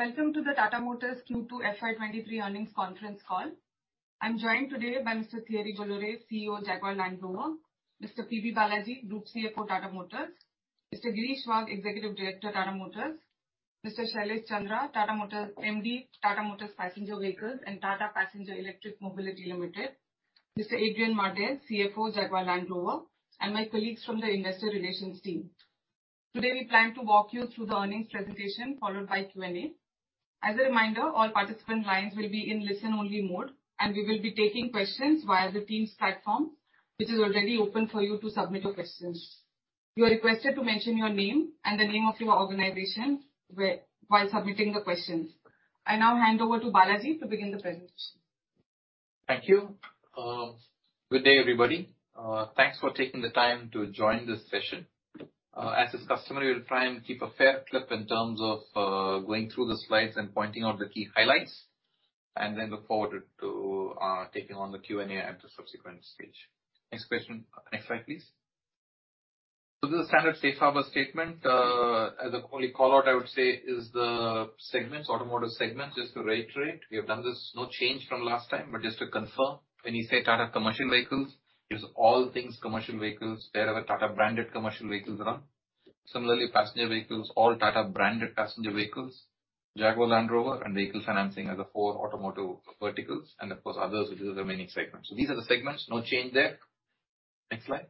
Welcome to the Tata Motors Q2 FY23 earnings conference call. I'm joined today by Mr. Thierry Bolloré, CEO of Jaguar Land Rover, Mr. P.B. Balaji, Group CFO, Tata Motors, Mr. Girish Wagh, Executive Director, Tata Motors, Mr. Shailesh Chandra, Tata Motors MD, Tata Motors Passenger Vehicles, and Tata Passenger Electric Mobility Limited, Mr. Adrian Mardell, CFO, Jaguar Land Rover, and my colleagues from the investor relations team. Today, we plan to walk you through the earnings presentation, followed by Q&A. As a reminder, all participant lines will be in listen-only mode, and we will be taking questions via the Teams platform, which is already open for you to submit your questions. You are requested to mention your name and the name of your organization while submitting the questions. I now hand over to Balaji to begin the presentation. Thank you. Good day, everybody. Thanks for taking the time to join this session. As is customary, we'll try and keep a fair clip in terms of going through the slides and pointing out the key highlights, and then look forward to taking on the Q&A at the subsequent stage. Next slide, please. This is a standard safe harbor statement. The only call-out I would say is the segments, automotive segment. Just to reiterate, we have done this, no change from last time, but just to confirm, when you say Tata commercial vehicles, it's all Tata branded commercial vehicles. Similarly, passenger vehicles, all Tata branded passenger vehicles, Jaguar Land Rover, and vehicle financing are the four automotive verticals, and of course others, which is the remaining segments. These are the segments. No change there. Next slide.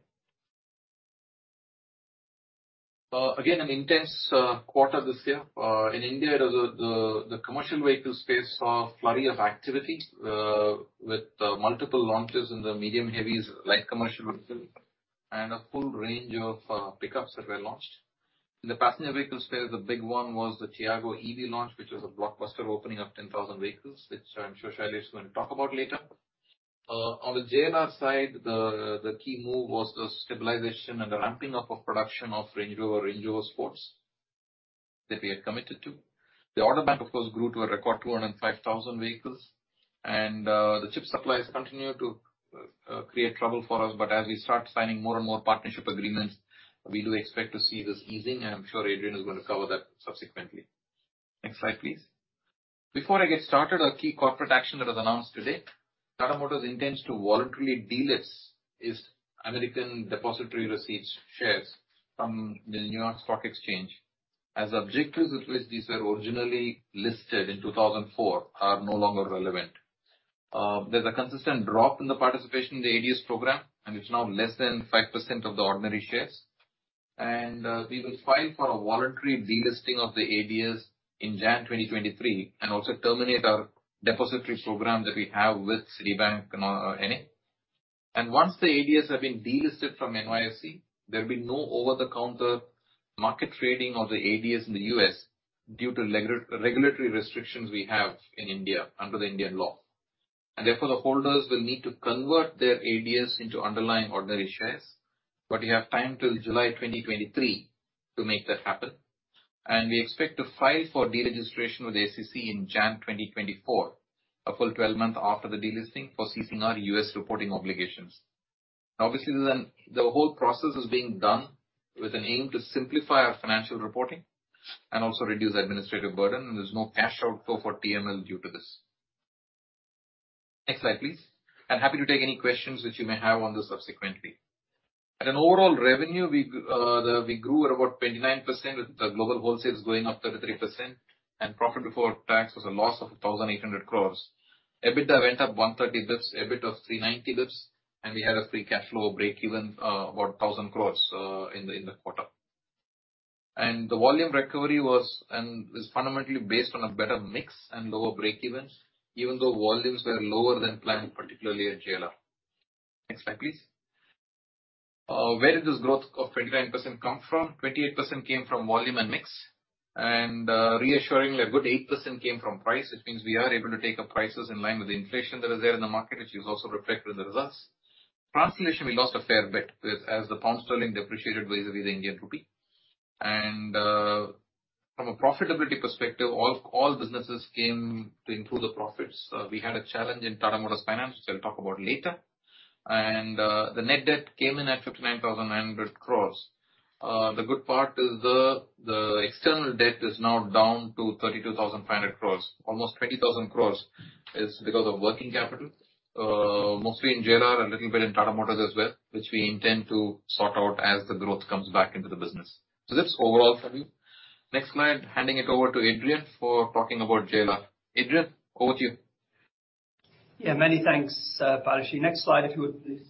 Again, an intense quarter this year. In India, the commercial vehicle space saw a flurry of activity, with multiple launches in the medium and heavy, light commercial vehicle, and a full range of pickups that were launched. In the passenger vehicle space, the big one was the Tiago EV launch, which was a blockbuster opening of 10,000 vehicles, which I'm sure Shailesh is going to talk about later. On the JLR side, the key move was the stabilization and the ramping up of production of Range Rover, Range Rover Sport that we had committed to. The order bank, of course, grew to a record 205,000 vehicles. The chip supplies continued to create trouble for us. As we start signing more and more partnership agreements, we do expect to see this easing, and I'm sure Adrian is gonna cover that subsequently. Next slide, please. Before I get started, our key corporate action that is announced today. Tata Motors intends to voluntarily delist its American Depositary Receipts shares from the New York Stock Exchange, as the objectives with which these were originally listed in 2004 are no longer relevant. There's a consistent drop in the participation in the ADS program, and it's now less than 5% of the ordinary shares. We will file for a voluntary delisting of the ADS in January 2023, and also terminate our depository program that we have with Citibank, N.A. Once the ADS have been delisted from NYSE, there'll be no over-the-counter market trading of the ADS in the U.S. due to legal-regulatory restrictions we have in India under the Indian law. Therefore, the holders will need to convert their ADS into underlying ordinary shares, but you have time till July 2023 to make that happen. We expect to file for deregistration with the SEC in January 2024, a full 12-month after the delisting for ceasing our U.S. reporting obligations. Obviously, then the whole process is being done with an aim to simplify our financial reporting and also reduce administrative burden, and there's no cash outflow for TML due to this. Next slide, please. I'm happy to take any questions which you may have on this subsequently. Overall, revenue grew at about 29%, with the global wholesales going up 33%, and profit before tax was a loss of 1,800 crores. EBITDA went up 130 basis points, EBIT of 390 basis points, and we had a free cash flow breakeven about 1,000 crores in the quarter. The volume recovery was, and is fundamentally based on a better mix and lower breakevens, even though volumes were lower than planned, particularly at JLR. Next slide, please. Where did this growth of 29% come from? 28% came from volume and mix, and, reassuringly, a good 8% came from price. Which means we are able to take up prices in line with the inflation that is there in the market, which is also reflected in the results. translation, we lost a fair bit as the pound sterling depreciated vis-à-vis the Indian rupee. From a profitability perspective, all businesses came to improve the profits. We had a challenge in Tata Motors Finance, which I'll talk about later. The net debt came in at 59,900 crores. The good part is the external debt is now down to 32,500 crores. Almost 20,000 crores is because of working capital, mostly in JLR and a little bit in Tata Motors as well, which we intend to sort out as the growth comes back into the business. That's overall for me. Next slide. Handing it over to Adrian for talking about JLR. Adrian, over to you. Yeah, many thanks, Balaji. Next slide, if you would, please.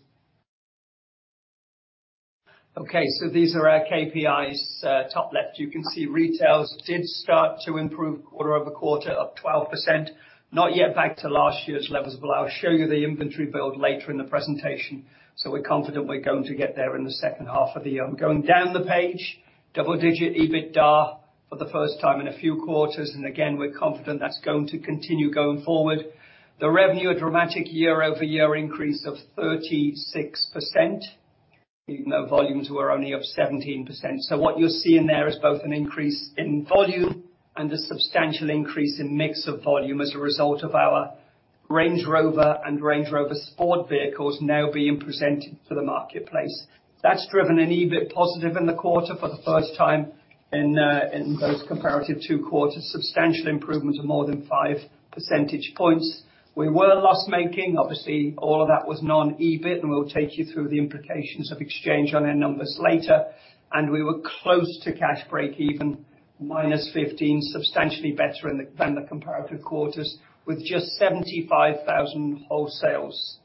Okay. These are our KPIs. Top left, you can see retails did start to improve quarter-over-quarter of 12%. Not yet back to last year's levels, but I'll show you the inventory build later in the presentation. We're confident we're going to get there in the second half of the year. Going down the page, double-digit EBITDA for the first time in a few quarters, and again, we're confident that's going to continue going forward. The revenue, a dramatic year-over-year increase of 36%, even though volumes were only up 17%. What you're seeing there is both an increase in volume and a substantial increase in mix of volume as a result of our Range Rover and Range Rover Sport vehicles now being presented to the marketplace. That's driven an EBIT positive in the quarter for the first time in those comparative two quarters. Substantial improvements of more than 5 percentage points. We were loss-making. Obviously, all of that was non-EBIT, and we'll take you through the implications of exchange on their numbers later. We were close to cash break-even, -15, substantially better than the comparative quarters, with just 75,000 wholesales.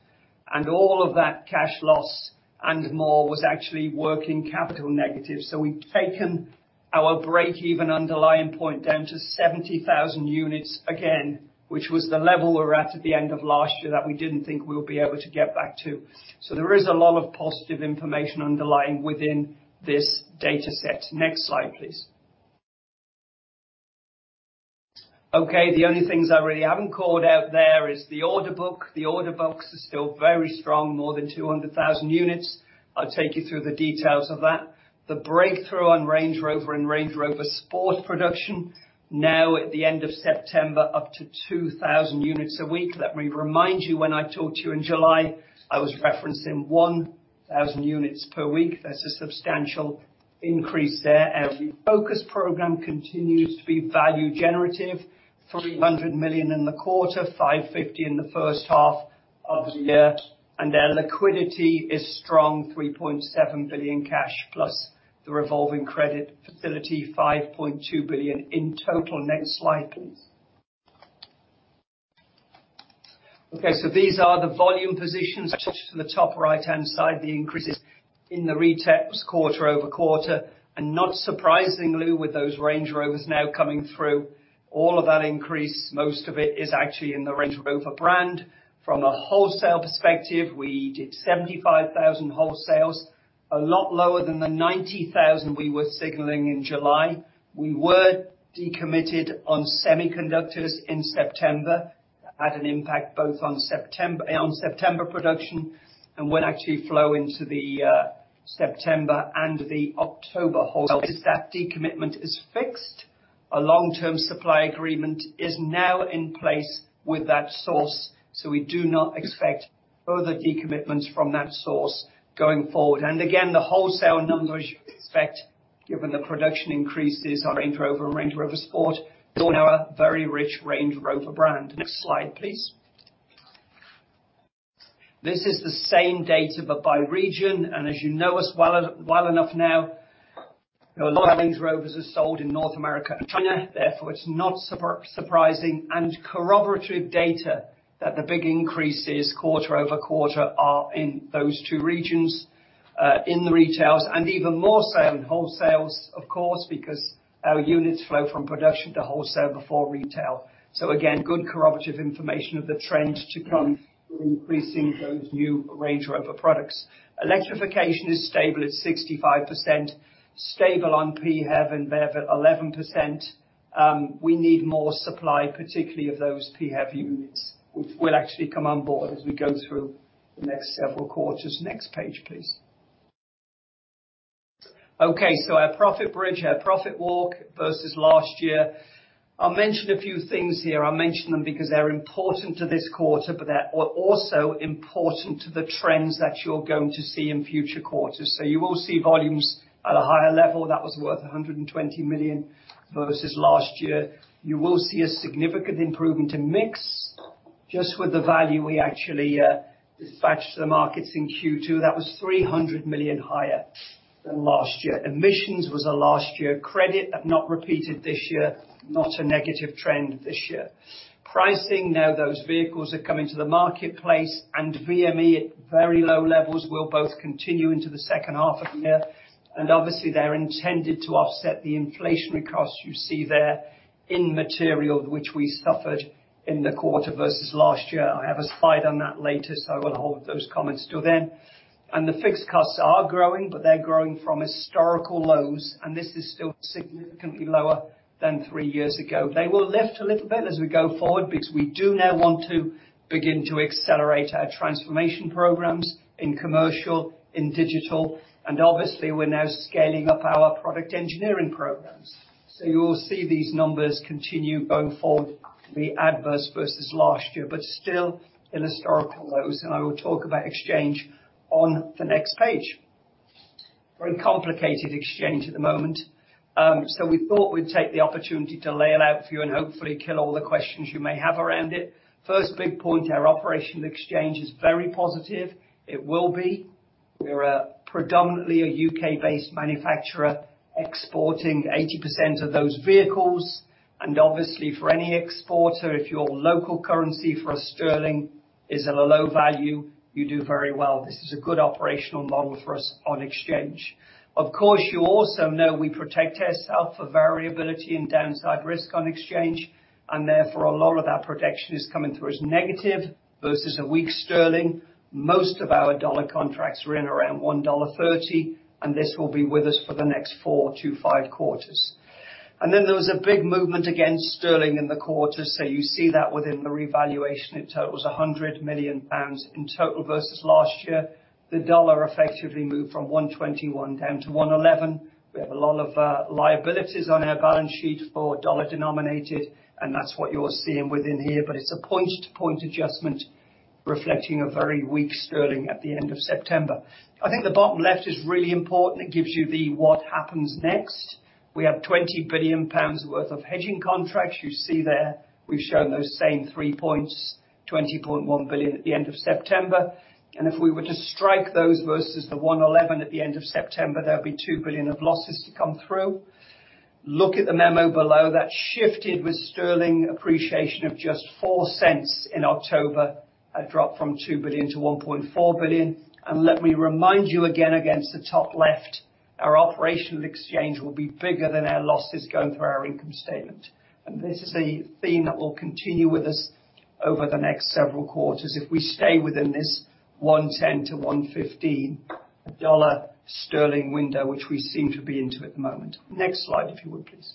All of that cash loss and more was actually working capital negative. We've taken our break-even underlying point down to 70,000 units again, which was the level we were at the end of last year that we didn't think we would be able to get back to. There is a lot of positive information underlying within this data set. Next slide, please. Okay, the only things I really haven't called out there is the order book. The order books are still very strong, more than 200,000 units. I'll take you through the details of that. The breakthrough on Range Rover and Range Rover Sport production now at the end of September, up to 2,000 units a week. Let me remind you, when I talked to you in July, I was referencing 1,000 units per week. That's a substantial increase there. Our focus program continues to be value generative. 300 million in the quarter, 550 million in the first half of the year. Our liquidity is strong, 3.7 billion cash plus the revolving credit facility, 5.2 billion in total. Next slide, please. Okay, so these are the volume positions. Just for the top right-hand side, the increases in the retail were quarter-over-quarter. Not surprisingly, with those Range Rovers now coming through, all of that increase, most of it is actually in the Range Rover brand. From a wholesale perspective, we did 75,000 wholesales, a lot lower than the 90,000 we were signaling in July. We were decommitted on semiconductors in September. That had an impact both on September production and will actually flow into the September and the October wholesale. That decommitment is fixed. A long-term supply agreement is now in place with that source, so we do not expect further decommitments from that source going forward. Again, the wholesale numbers you expect, given the production increases on Range Rover and Range Rover Sport, is on our very rich Range Rover brand. Next slide, please. This is the same data but by region. As you know us well enough now, a lot of Range Rovers are sold in North America and China. Therefore, it's not surprising and corroborative data that the big increases quarter-over-quarter are in those two regions, in the retails and even more so in wholesales, of course, because our units flow from production to wholesale before retail. Again, good corroborative information of the trend to come with increasing those new Range Rover products. Electrification is stable at 65%. Stable on PHEV and BEV at 11%. We need more supply, particularly of those PHEV units, which will actually come on board as we go through the next several quarters. Next page, please. Okay, our profit bridge, our profit walk versus last year. I'll mention a few things here. I'll mention them because they're important to this quarter, but they're also important to the trends that you're going to see in future quarters. You will see volumes at a higher level. That was worth 120 million versus last year. You will see a significant improvement in mix just with the value we actually dispatched to the markets in Q2. That was 300 million higher than last year. Emissions was a last year credit, but not repeated this year. Not a negative trend this year. Pricing, now those vehicles are coming to the marketplace, and VME at very low levels will both continue into the second half of the year. Obviously, they're intended to offset the inflationary costs you see there in material which we suffered in the quarter versus last year. I have a slide on that later, so I will hold those comments till then. The fixed costs are growing, but they're growing from historical lows, and this is still significantly lower than three years ago. They will lift a little bit as we go forward because we do now want to begin to accelerate our transformation programs in commercial, in digital, and obviously, we're now scaling up our product engineering programs. You will see these numbers continue going forward to be adverse versus last year, but still in historical lows. I will talk about exchange on the next page. Very complicated exchange at the moment. We thought we'd take the opportunity to lay it out for you and hopefully kill all the questions you may have around it. First big point, our operational exchange is very positive. It will be. We are predominantly a U.K.-based manufacturer exporting 80% of those vehicles. Obviously, for any exporter, if your local currency, for us sterling, is at a low value, you do very well. This is a good operational model for us on exchange. Of course, you also know we protect ourself for variability and downside risk on exchange, and therefore, a lot of our protection is coming through as negative versus a weak sterling. Most of our dollar contracts are in around $1.30, and this will be with us for the next 4-5 quarters. Then there was a big movement against sterling in the quarter. You see that within the revaluation. It totals £100 million in total versus last year. The dollar effectively moved from $1.21 down to $1.11. We have a lot of liabilities on our balance sheet for dollar-denominated, and that's what you're seeing within here. It's a point-to-point adjustment. Reflecting a very weak sterling at the end of September. I think the bottom left is really important. It gives you what happens next. We have 20 billion pounds worth of hedging contracts. You see there, we've shown those same three points, 20.1 billion at the end of September. If we were to strike those versus the 1.11 at the end of September, there'll be 2 billion of losses to come through. Look at the memo below. That shifted with sterling appreciation of just $0.04 in October, a drop from 2 billion to 1.4 billion. Let me remind you again against the top left, our operational exchange will be bigger than our losses going through our income statement. This is a theme that will continue with us over the next several quarters if we stay within this 1.10-1.15 dollar sterling window, which we seem to be into at the moment. Next slide, if you would, please.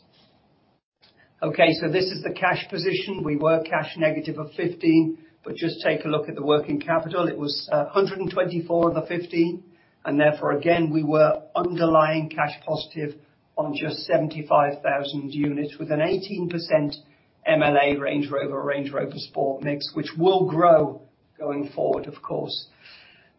Okay, so this is the cash position. We were cash negative of 15 million, but just take a look at the working capital. It was 124 offsetting the 15, and therefore again, we were underlying cash positive on just 75,000 units with an 18% MLA Range Rover, Range Rover Sport mix, which will grow going forward, of course.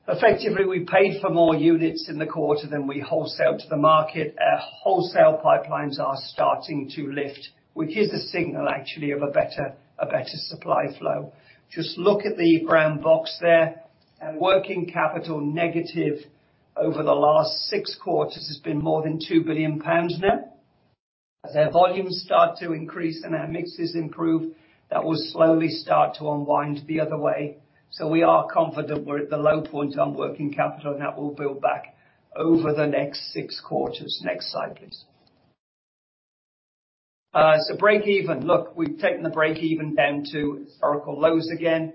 Effectively, we paid for more units in the quarter than we wholesaled to the market. Our wholesale pipelines are starting to lift, which is a signal actually of a better supply flow. Just look at the brown box there. Working capital negative over the last six quarters has been more than 2 billion pounds now. As our volumes start to increase and our mixes improve, that will slowly start to unwind the other way. We are confident we're at the low point on working capital, and that will build back over the next six quarters. Next slide, please. Break even. Look, we've taken the break even down to historical lows again,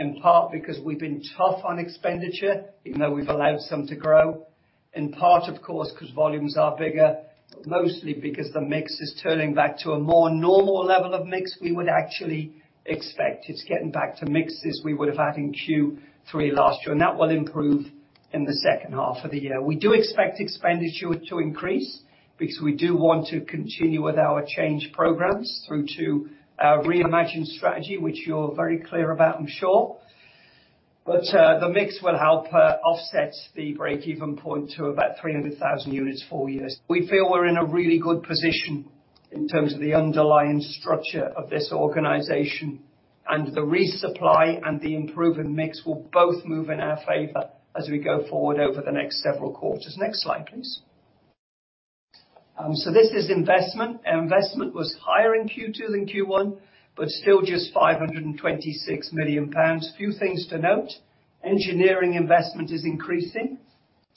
in part because we've been tough on expenditure, even though we've allowed some to grow. In part, of course, 'cause volumes are bigger, mostly because the mix is turning back to a more normal level of mix we would actually expect. It's getting back to mixes we would have had in Q3 last year, and that will improve in the second half of the year. We do expect expenditure to increase because we do want to continue with our change programs through to our reimagined strategy, which you're very clear about, I'm sure. The mix will help offset the break-even point to about 300,000 units, full year. We feel we're in a really good position in terms of the underlying structure of this organization and the resupply and the improvement mix will both move in our favor as we go forward over the next several quarters. Next slide, please. This is investment. Investment was higher in Q2 than Q1, but still just 526 million pounds. Few things to note. Engineering investment is increasing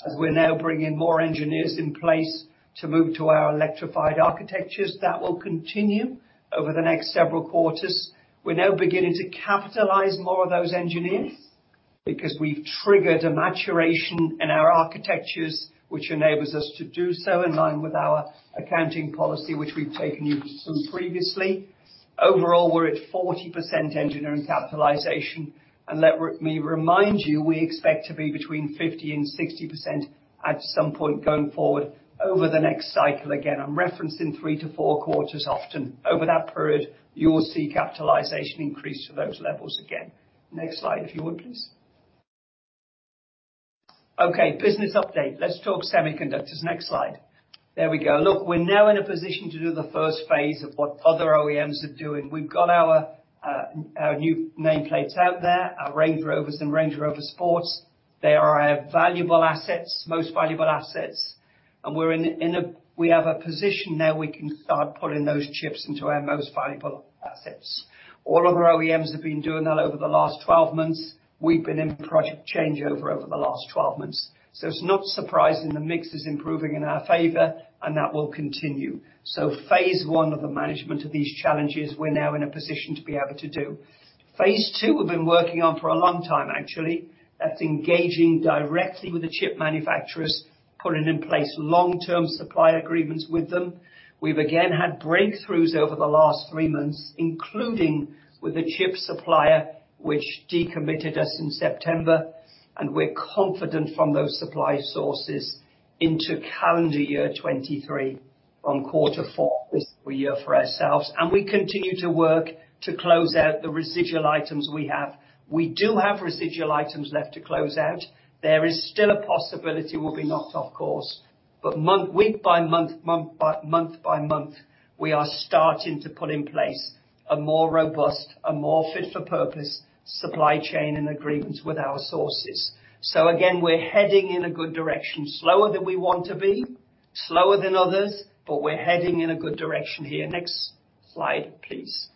as we're now bringing more engineers in place to move to our electrified architectures. That will continue over the next several quarters. We're now beginning to capitalize more of those engineers because we've triggered a maturation in our architectures, which enables us to do so in line with our accounting policy, which we've taken you through some previously. Overall, we're at 40% engineering capitalization. Let me remind you, we expect to be between 50% and 60% at some point going forward over the next cycle. Again, I'm referencing 3-4 quarters often. Over that period, you will see capitalization increase to those levels again. Next slide, if you would, please. Okay. Business update. Let's talk semiconductors. Next slide. There we go. Look, we're now in a position to do the first phase of what other OEMs are doing. We've got our new nameplates out there, our Range Rovers and Range Rover Sports. They are our valuable assets, most valuable assets, and we have a position now we can start putting those chips into our most valuable assets. All other OEMs have been doing that over the last 12 months. We've been in project changeover over the last 12 months. It's not surprising the mix is improving in our favor, and that will continue. Phase 1 of the management of these challenges, we're now in a position to be able to do. Phase 2, we've been working on for a long time, actually. That's engaging directly with the chip manufacturers, putting in place long-term supply agreements with them. We've again had breakthroughs over the last 3 months, including with a chip supplier which decommitted us in September. We're confident from those supply sources into calendar year 2023, from quarter four of this year for ourselves. We continue to work to close out the residual items we have. We do have residual items left to close out. There is still a possibility we'll be knocked off course, but month by month, we are starting to put in place a more robust, a more fit for purpose supply chain and agreements with our sources. Again, we're heading in a good direction, slower than we want to be, slower than others, but we're heading in a good direction here. Next slide, please.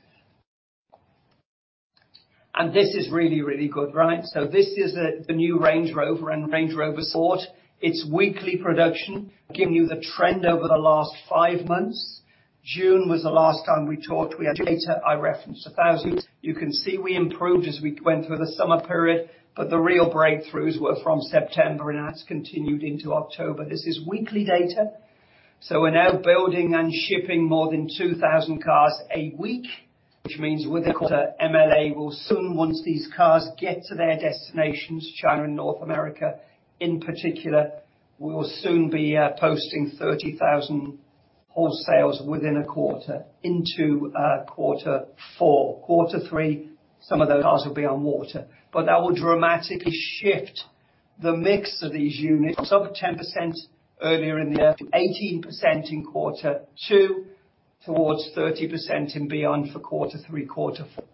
This is really, really good, right? This is the new Range Rover and Range Rover Sport. It's weekly production, giving you the trend over the last five months. June was the last time we talked. We had data, I referenced 1,000. You can see we improved as we went through the summer period, but the real breakthroughs were from September, and that's continued into October. This is weekly data. So we're now building and shipping more than 2,000 cars a week, which means with the quarter, MLA will soon, once these cars get to their destinations, China and North America in particular, we will soon be posting 30,000 wholesales within a quarter into quarter four. Quarter three, some of those cars will be on water, but that will dramatically shift the mix of these units. It was up 10% earlier in the year, 18% in quarter two, towards 30% and beyond for quarter three, quarter four.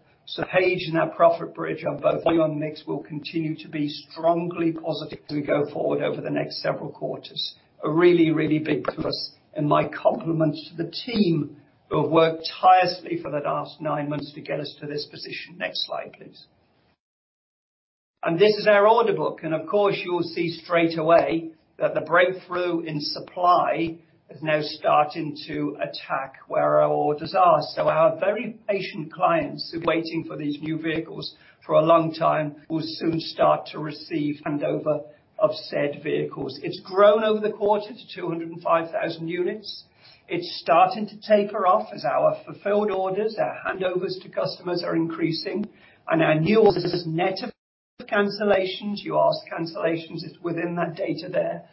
P&L and our profit bridge are both on mix will continue to be strongly positive as we go forward over the next several quarters. Really, really big to us and my compliments to the team who have worked tirelessly for the last nine months to get us to this position. Next slide, please. This is our order book, and of course, you will see straight away that the breakthrough in supply is now starting to impact where our orders are. Our very patient clients who are waiting for these new vehicles for a long time will soon start to receive handover of said vehicles. It's grown over the quarter to 205,000 units. It's starting to taper off as our fulfilled orders, our handovers to customers are increasing, and our new orders net of cancellations, it's within that data there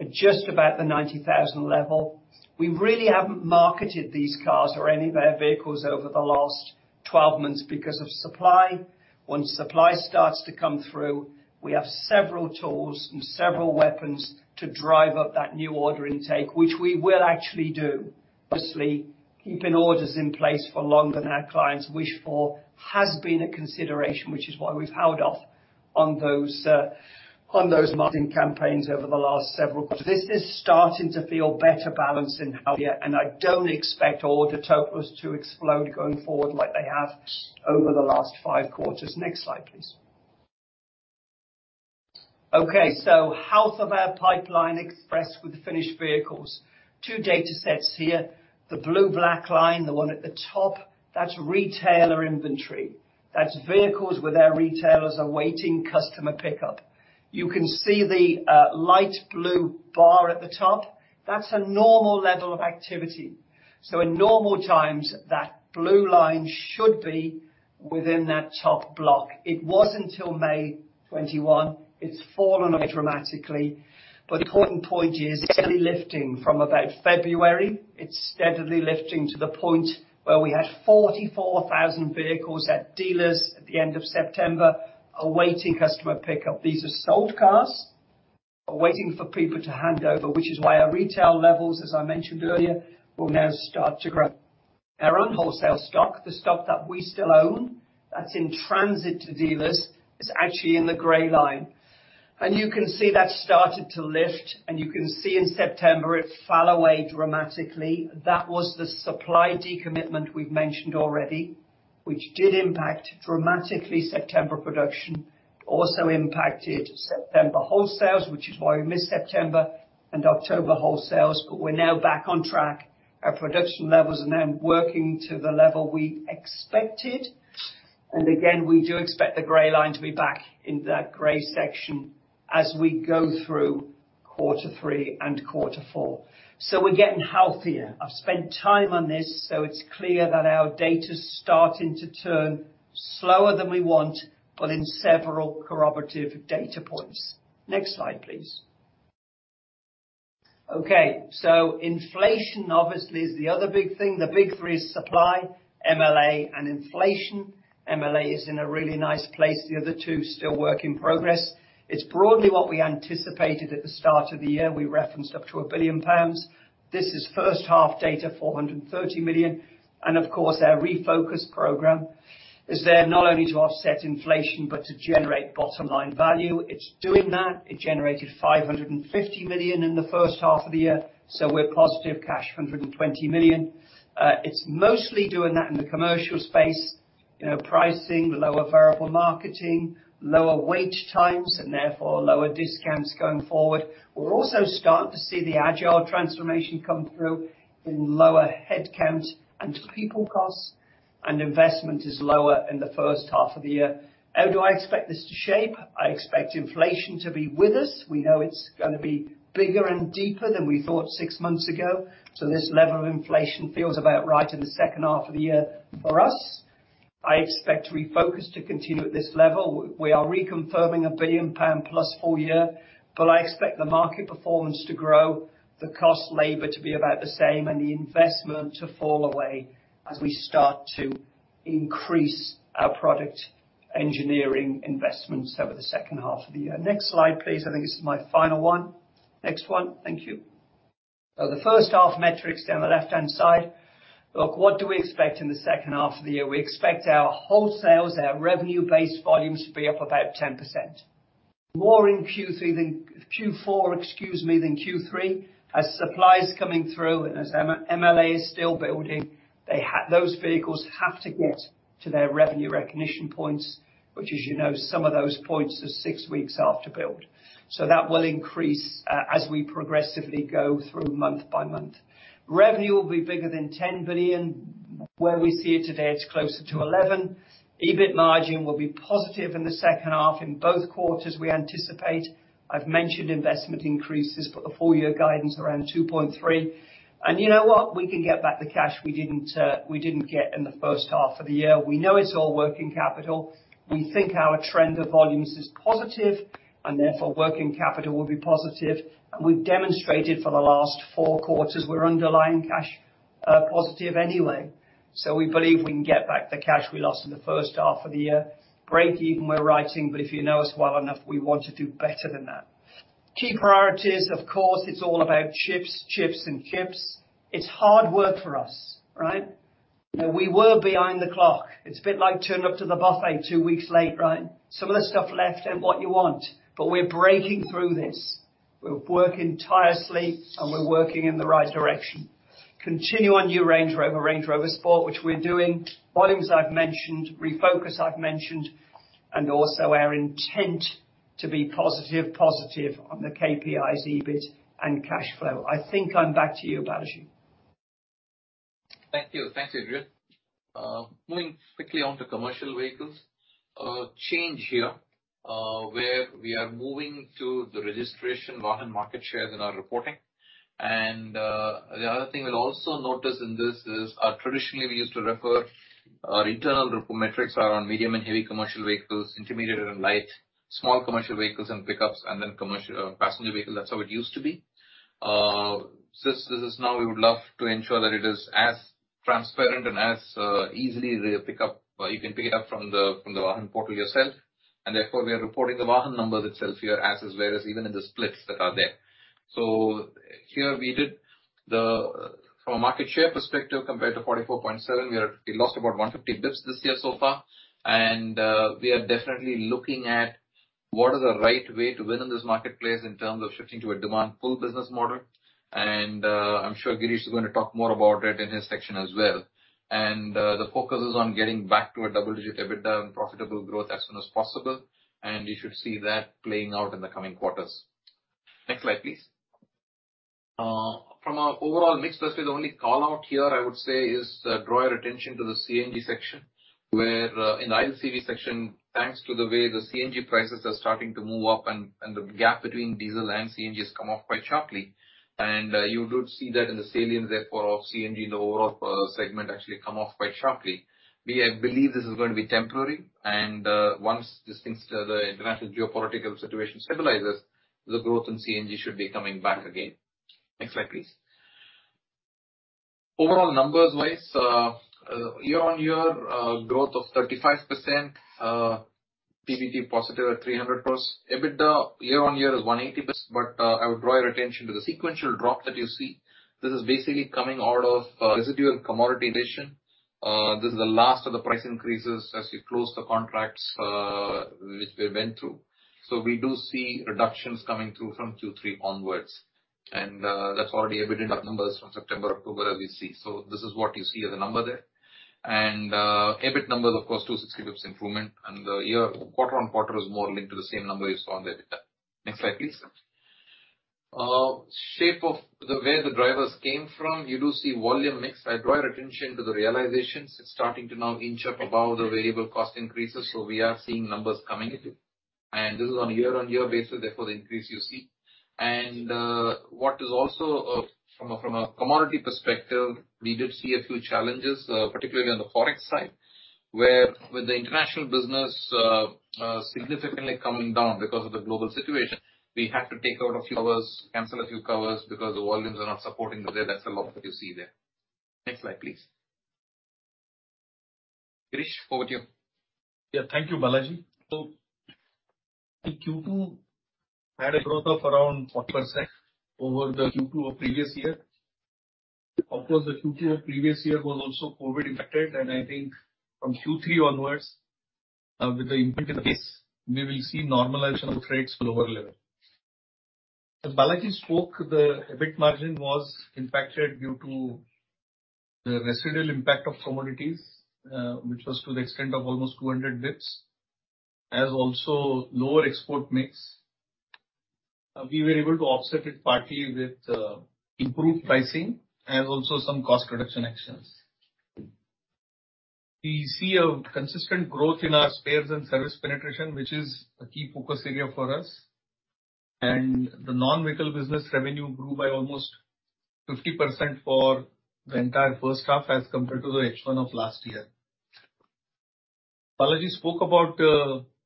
at just about the 90,000 level. We really haven't marketed these cars or any of their vehicles over the last 12 months because of supply. Once supply starts to come through, we have several tools and several weapons to drive up that new order intake, which we will actually do. Obviously, keeping orders in place for longer than our clients wish for has been a consideration, which is why we've held off on those, on those marketing campaigns over the last several. This is starting to feel better balanced than how, yeah, and I don't expect order totals to explode going forward like they have over the last 5 quarters. Next slide, please. Okay. Health of our pipeline expressed with finished vehicles. Two data sets here. The blue black line, the one at the top, that's retailer inventory. That's vehicles where our retailers are waiting customer pickup. You can see the light blue bar at the top. That's a normal level of activity. In normal times, that blue line should be within that top block. It was until May 2021. It's fallen dramatically, but the point is steadily lifting from about February. It's steadily lifting to the point where we had 44,000 vehicles at dealers at the end of September, awaiting customer pickup. These are sold cars. We're waiting for people to hand over, which is why our retail levels, as I mentioned earlier, will now start to grow. Our own wholesale stock, the stock that we still own, that's in transit to dealers, is actually in the gray line. You can see that started to lift, and you can see in September it fell away dramatically. That was the supply decommitment we've mentioned already, which did impact dramatically September production. Also impacted September wholesales, which is why we missed September and October wholesales, but we're now back on track. Our production levels are now working to the level we expected. Again, we do expect the gray line to be back in that gray section as we go through quarter three and quarter four. We're getting healthier. I've spent time on this, so it's clear that our data's starting to turn slower than we want, but in several corroborative data points. Next slide, please. Okay. Inflation obviously is the other big thing. The big three is supply, MLA, and inflation. MLA is in a really nice place. The other two, still work in progress. It's broadly what we anticipated at the start of the year. We referenced up to 1 billion pounds. This is first half data, 430 million. Of course, our refocus program is there not only to offset inflation, but to generate bottom line value. It's doing that. It generated 550 million in the first half of the year, so we're positive cash, 120 million. It's mostly doing that in the commercial space. You know, pricing, lower variable marketing, lower wage costs, and therefore lower discounts going forward. We're also starting to see the agile transformation come through in lower headcounts and people costs, and investment is lower in the first half of the year. How do I expect this to shape? I expect inflation to be with us. We know it's gonna be bigger and deeper than we thought six months ago. This level of inflation feels about right in the second half of the year for us. I expect refocus to continue at this level. We are reconfirming a 1 billion pound+ full-year, but I expect the market performance to grow, the labor costs to be about the same, and the investment to fall away as we start to increase our product engineering investments over the second half of the year. Next slide, please. I think this is my final one. Next one. Thank you. The first half metrics down the left-hand side. Look, what do we expect in the second half of the year? We expect our wholesales, our revenue-based volumes to be up about 10%. More in Q4 than Q3. As supply is coming through and as MLA is still building, those vehicles have to get to their revenue recognition points, which as you know, some of those points are six weeks after build. That will increase as we progressively go through month by month. Revenue will be bigger than 10 billion. Where we see it today, it's closer to 11 billion. EBIT margin will be positive in the second half in both quarters we anticipate. I've mentioned investment increases, but the full year guidance around 2.3%. You know what? We can get back the cash we didn't get in the first half of the year. We know it's all working capital. We think our trend of volumes is positive. Therefore, working capital will be positive. We've demonstrated for the last four quarters, we're underlying cash positive anyway. We believe we can get back the cash we lost in the first half of the year. Break even we're writing, but if you know us well enough, we want to do better than that. Key priorities, of course, it's all about chips, and chips. It's hard work for us, right? We were behind the clock. It's a bit like turning up to the buffet two weeks late, right? Some of the stuff left ain't what you want. We're breaking through this. We're working tirelessly, and we're working in the right direction. Continue on new Range Rover, Range Rover Sport, which we're doing. Volumes, I've mentioned. Refocus, I've mentioned. Also our intent to be positive on the KPIs EBIT and cash flow. I think I'm back to you, Balaji. Thank you. Thanks, Adrian. Moving quickly on to commercial vehicles. Change here, where we are moving to the registration VAHAN market shares in our reporting. The other thing we'll also notice in this is, traditionally we used to refer our internal report metrics are on medium and heavy commercial vehicles, intermediate and light, small commercial vehicles and pickups, and then commercial passenger vehicle. That's how it used to be. Since this is now, we would love to ensure that it is as transparent and as easy to pick up, or you can pick it up from the VAHAN portal yourself. Therefore, we are reporting the VAHAN numbers themselves here as is, whereas even in the splits that are there. From a market share perspective, compared to 44.7%, we lost about 150 basis points this year so far. We are definitely looking at what is the right way to win in this marketplace in terms of shifting to a demand pull business model. I'm sure Girish is gonna talk more about it in his section as well. The focus is on getting back to a double-digit EBITDA and profitable growth as soon as possible. You should see that playing out in the coming quarters. Next slide, please. From our overall mix, actually the only call-out here I would say is, draw your attention to the CNG section, where, in I&LCV section, thanks to the way the CNG prices are starting to move up and the gap between diesel and CNG has come off quite sharply. You do see that in the salience, therefore, of CNG in the overall segment actually come off quite sharply. We believe this is going to be temporary. Once these things, the international geopolitical situation stabilizes, the growth in CNG should be coming back again. Next slide, please. Overall numbers wise, year-on-year growth of 35%. PBT positive at 300+. EBITDA year-on-year is 180%, but I would draw your attention to the sequential drop that you see. This is basically coming out of residual commodity inflation. This is the last of the price increases as we close the contracts, which we went through. We do see reductions coming through from Q3 onwards. That's already evident of numbers from September, October as we see. This is what you see as a number there. EBIT numbers, of course, 260 basis points improvement. Quarter-on-quarter is more linked to the same number you saw in the EBITDA. Next slide, please. Shape of where the drivers came from, you do see volume mix. I draw your attention to the realizations. It's starting to now inch up above the variable cost increases, so we are seeing numbers coming in. This is on a year-on-year basis, therefore the increase you see. What is also from a commodity perspective, we did see a few challenges, particularly on the Forex side. Where with the international business significantly coming down because of the global situation, we had to take out a few covers, cancel a few covers because the volumes are not supporting the way that's a lot that you see there. Next slide, please. Girish, over to you. Yeah. Thank you, Balaji. The Q2 had a growth of around 4% over the Q2 of previous year. Of course, the Q2 of previous year was also COVID impacted. I think from Q3 onwards, with the impact of this, we will see normalization of trades to lower level. As Balaji spoke, the EBIT margin was impacted due to the residual impact of commodities, which was to the extent of almost 200 basis points, as also lower export mix. We were able to offset it partly with improved pricing and also some cost reduction actions. We see a consistent growth in our spares and service penetration, which is a key focus area for us. The non-vehicle business revenue grew by almost 50% for the entire first half as compared to the H1 of last year. Balaji spoke about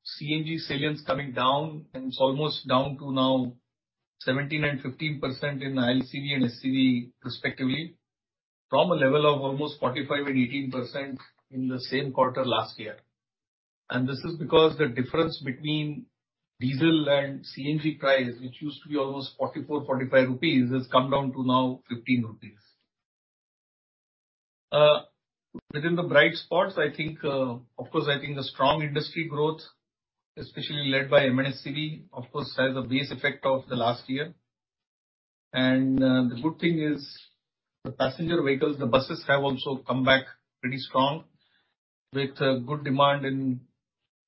CNG salience coming down, and it's almost down to now 17% and 15% in I&LCV and SCV respectively, from a level of almost 45% and 18% in the same quarter last year. This is because the difference between diesel and CNG price, which used to be almost 44-45 rupees, has come down to now 15 rupees. Within the bright spots, I think, of course, I think the strong industry growth, especially led by M&HCV, of course, has a base effect of the last year. The good thing is the passenger vehicles, the buses have also come back pretty strong with a good demand in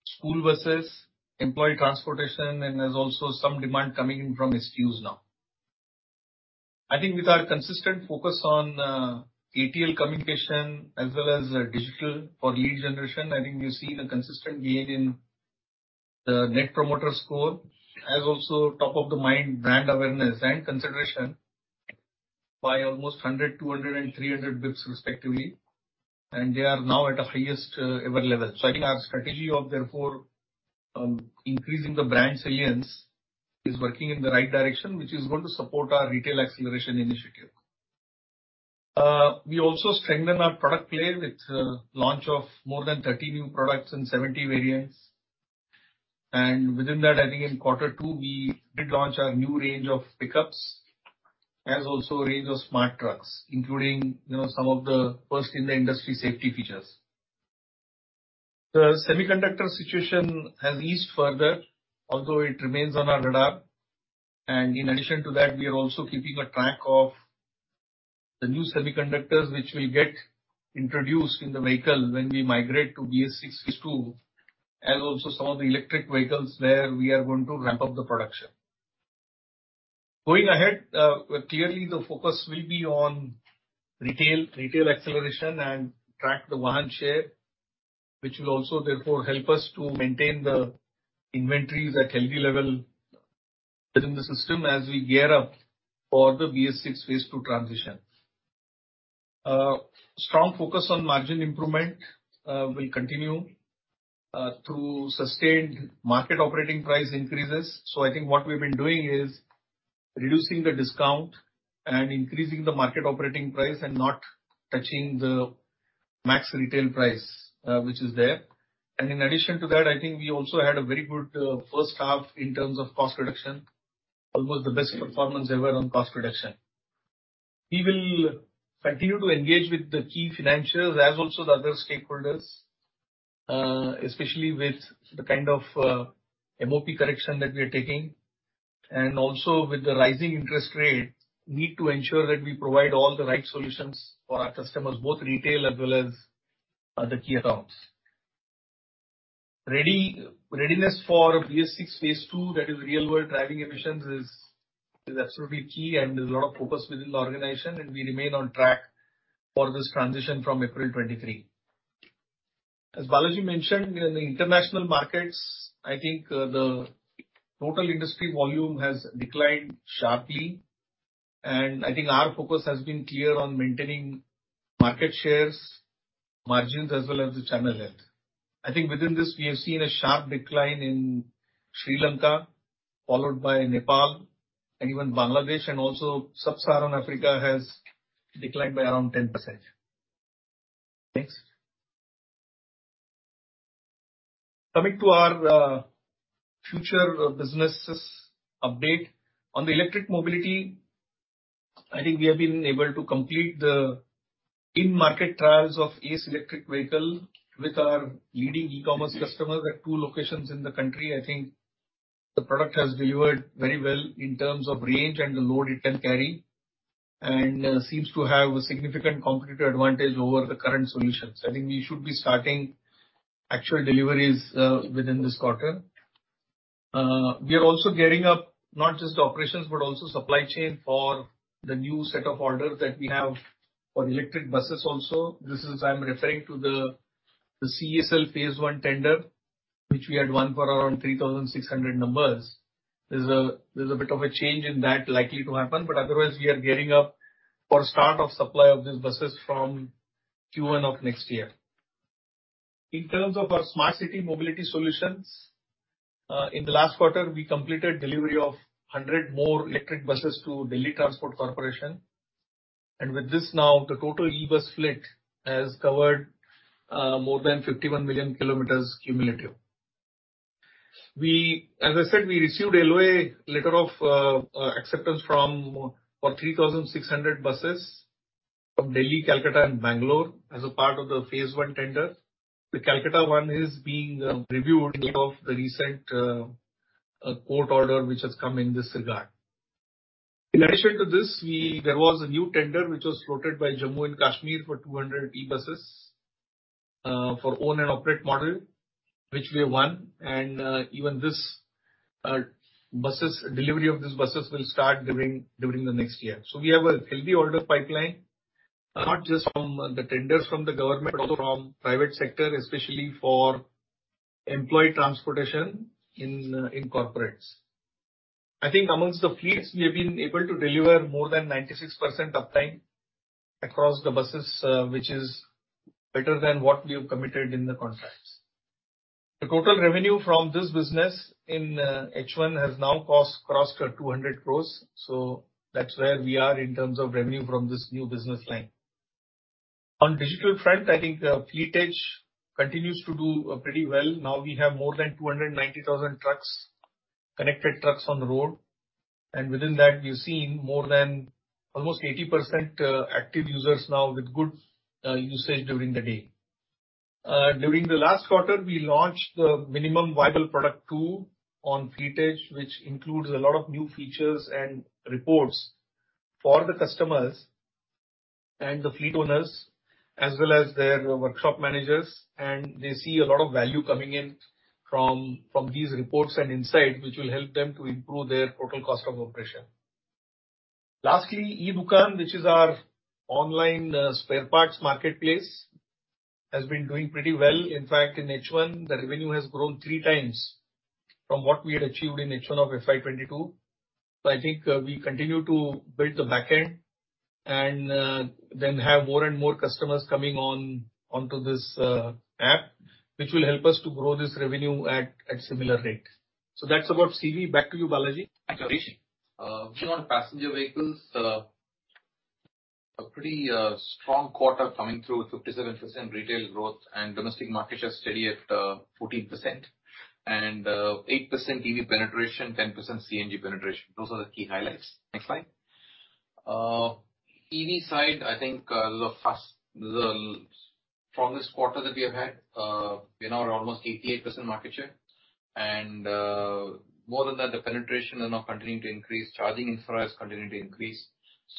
school buses, employee transportation, and there's also some demand coming in from the schools now. I think with our consistent focus on ATL communication as well as digital for lead generation, I think you see the consistent gain in the net promoter score as also top of the mind brand awareness and consideration by almost 100, 200, and 300 basis points respectively, and they are now at the highest ever level. I think our strategy of therefore increasing the brand salience is working in the right direction, which is going to support our retail acceleration initiative. We also strengthen our product play with the launch of more than 30 new products and 70 variants. Within that, I think in quarter two, we did launch our new range of pickups, as also a range of smart trucks, including you know some of the first in the industry safety features. The semiconductor situation has eased further, although it remains on our radar. In addition to that, we are also keeping track of the new semiconductors which we get introduced in the vehicle when we migrate to BS-VI Phase II, and also some of the electric vehicles where we are going to ramp up the production. Going ahead, clearly the focus will be on retail acceleration and track the market share, which will also therefore help us to maintain the inventories at healthy level within the system as we gear up for the BS-VI Phase II transition. Strong focus on margin improvement will continue to sustain market operating price increases. I think what we've been doing is reducing the discount and increasing the market operating price and not touching the max retail price, which is there. In addition to that, I think we also had a very good first half in terms of cost reduction, almost the best performance ever on cost reduction. We will continue to engage with the key financials as also the other stakeholders, especially with the kind of MOP correction that we are taking, and also with the rising interest rates. Need to ensure that we provide all the right solutions for our customers, both retail as well as other key accounts. Readiness for BS-VI Phase II, that is Real Driving Emissions, is absolutely key and there's a lot of focus within the organization, and we remain on track for this transition from April 2023. As Balaji mentioned, in the international markets, I think the total industry volume has declined sharply, and I think our focus has been clear on maintaining market shares, margins, as well as the channel health. I think within this, we have seen a sharp decline in Sri Lanka, followed by Nepal and even Bangladesh, and also sub-Saharan Africa has declined by around 10%. Next. Coming to our future businesses update. On the electric mobility, I think we have been able to complete the in-market trials of Ace EV with our leading e-commerce customer at two locations in the country. I think the product has delivered very well in terms of range and the load it can carry, and seems to have a significant competitive advantage over the current solutions. I think we should be starting actual deliveries within this quarter. We are also gearing up not just operations, but also supply chain for the new set of orders that we have for electric buses also. I'm referring to the CSL Phase I tender, which we had won for around 3,600 numbers. There's a bit of a change in that likely to happen, but otherwise we are gearing up for start of supply of these buses from Q1 of next year. In terms of our smart city mobility solutions, in the last quarter, we completed delivery of 100 more electric buses to Delhi Transport Corporation. With this now, the total e-bus fleet has covered more than 51 million km cumulative. We, as I said, we received LOA, letter of acceptance for 3,600 buses from Delhi, Calcutta and Bangalore as a part of the Phase I tender. The Calcutta one is being reviewed in light of the recent court order which has come in this regard. In addition to this, there was a new tender which was floated by Jammu and Kashmir for 200 e-buses for own and operate model, which we have won. Even this delivery of these buses will start during the next year. We have a healthy order pipeline not just from the tenders from the government, but also from private sector, especially for employee transportation in corporates. I think among the fleets, we have been able to deliver more than 96% uptime across the buses, which is better than what we have committed in the contracts. The total revenue from this business in H1 has now crossed 200 crore. That's where we are in terms of revenue from this new business line. On digital front, I think Fleet Edge continues to do pretty well. Now we have more than 290,000 trucks, connected trucks on the road, and within that we've seen more than almost 80% active users now with good usage during the day. During the last quarter, we launched the minimum viable product two on Fleet Edge, which includes a lot of new features and reports for the customers and the fleet owners, as well as their workshop managers. They see a lot of value coming in from these reports and insight, which will help them to improve their total cost of operation. Lastly, e-Dukaan, which is our online spare parts marketplace. Has been doing pretty well. In fact, in H1, the revenue has grown three times from what we had achieved in H1 of FY 22. I think we continue to build the back end and then have more and more customers coming on onto this app, which will help us to grow this revenue at similar rate. That's about CV. Back to you, Balaji. Thank you, Girish. If you're on passenger vehicles, a pretty strong quarter coming through with 57% retail growth and domestic market share steady at 14%. 8% EV penetration, 10% CNG penetration. Those are the key highlights. Next slide. EV side, I think, this is the strongest quarter that we have had. We are now at almost 88% market share. More than that, the penetration is now continuing to increase, charging infrastructure is continuing to increase.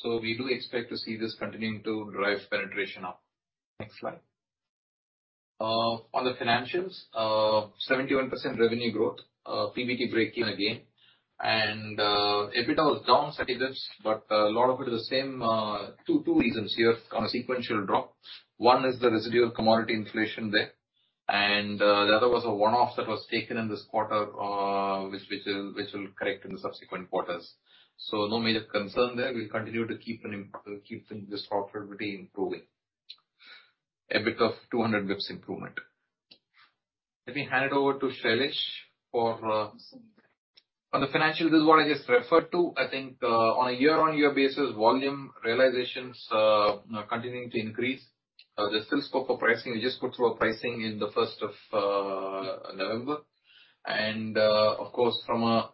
We do expect to see this continuing to drive penetration up. Next slide. On the financials, 71% revenue growth. PBT breaking again. EBITDA was down 30 basis points, but a lot of it is the same two reasons here on a sequential drop. One is the residual commodity inflation there, and the other was a one-off that was taken in this quarter, which will correct in the subsequent quarters. No major concern there. We'll continue to keep on keeping this profitability improving. EBIT of 200 basis points improvement. Let me hand it over to Shailesh for. On the financial, this is what I just referred to. I think on a year-on-year basis, volume realizations you know continuing to increase. There's still scope for pricing. We just put through a pricing in the first of November. Of course, from a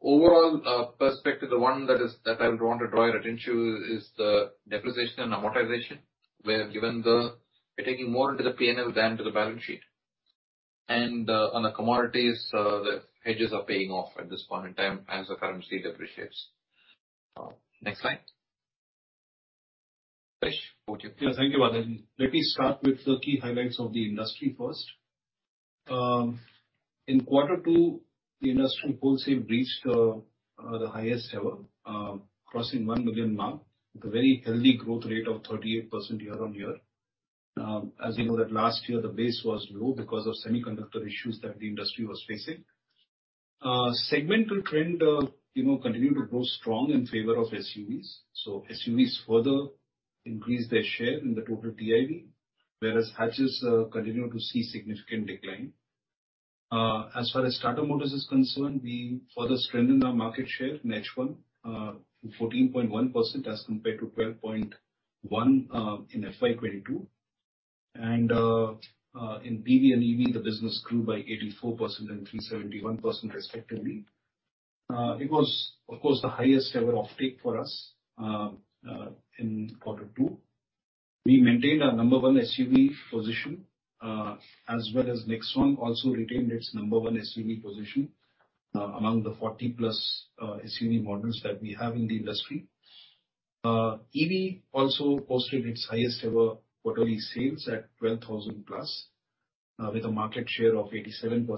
overall perspective, the one that I would want to draw your attention to is the depreciation and amortization, where we're taking more into the P&L than to the balance sheet. On the commodities, the hedges are paying off at this point in time as the currency depreciates. Next slide. Shailesh, over to you. Yeah, thank you, Balaji. Let me start with the key highlights of the industry first. In quarter two, the industry wholesale reached the highest ever, crossing 1 million mark with a very healthy growth rate of 38% year-on-year. As you know that last year, the base was low because of semiconductor issues that the industry was facing. Segmental trend, you know, continued to grow strong in favor of SUVs. SUVs further increased their share in the total TIV, whereas hatches continued to see significant decline. As far as Tata Motors is concerned, we further strengthened our market share in H1 to 14.1% as compared to 12.1% in FY 2022. In PV and EV, the business grew by 84% and 371% respectively. It was, of course, the highest ever offtake for us in quarter two. We maintained our number one SUV position as well as Nexon also retained its number one SUV position among the 40-plus SUV models that we have in the industry. EV also posted its highest ever quarterly sales at 12,000 plus with a market share of 87%.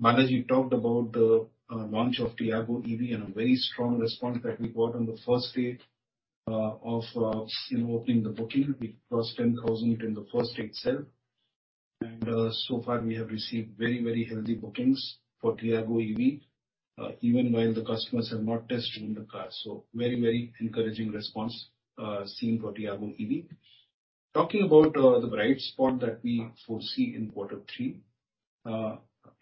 Balaji talked about the launch of Tiago EV and a very strong response that we got on the first day of, you know, opening the booking. We crossed 10,000 in the first day itself. So far we have received very, very healthy bookings for Tiago EV even while the customers have not tested the car. Very, very encouraging response seen for Tiago EV. Talking about the bright spot that we foresee in quarter three,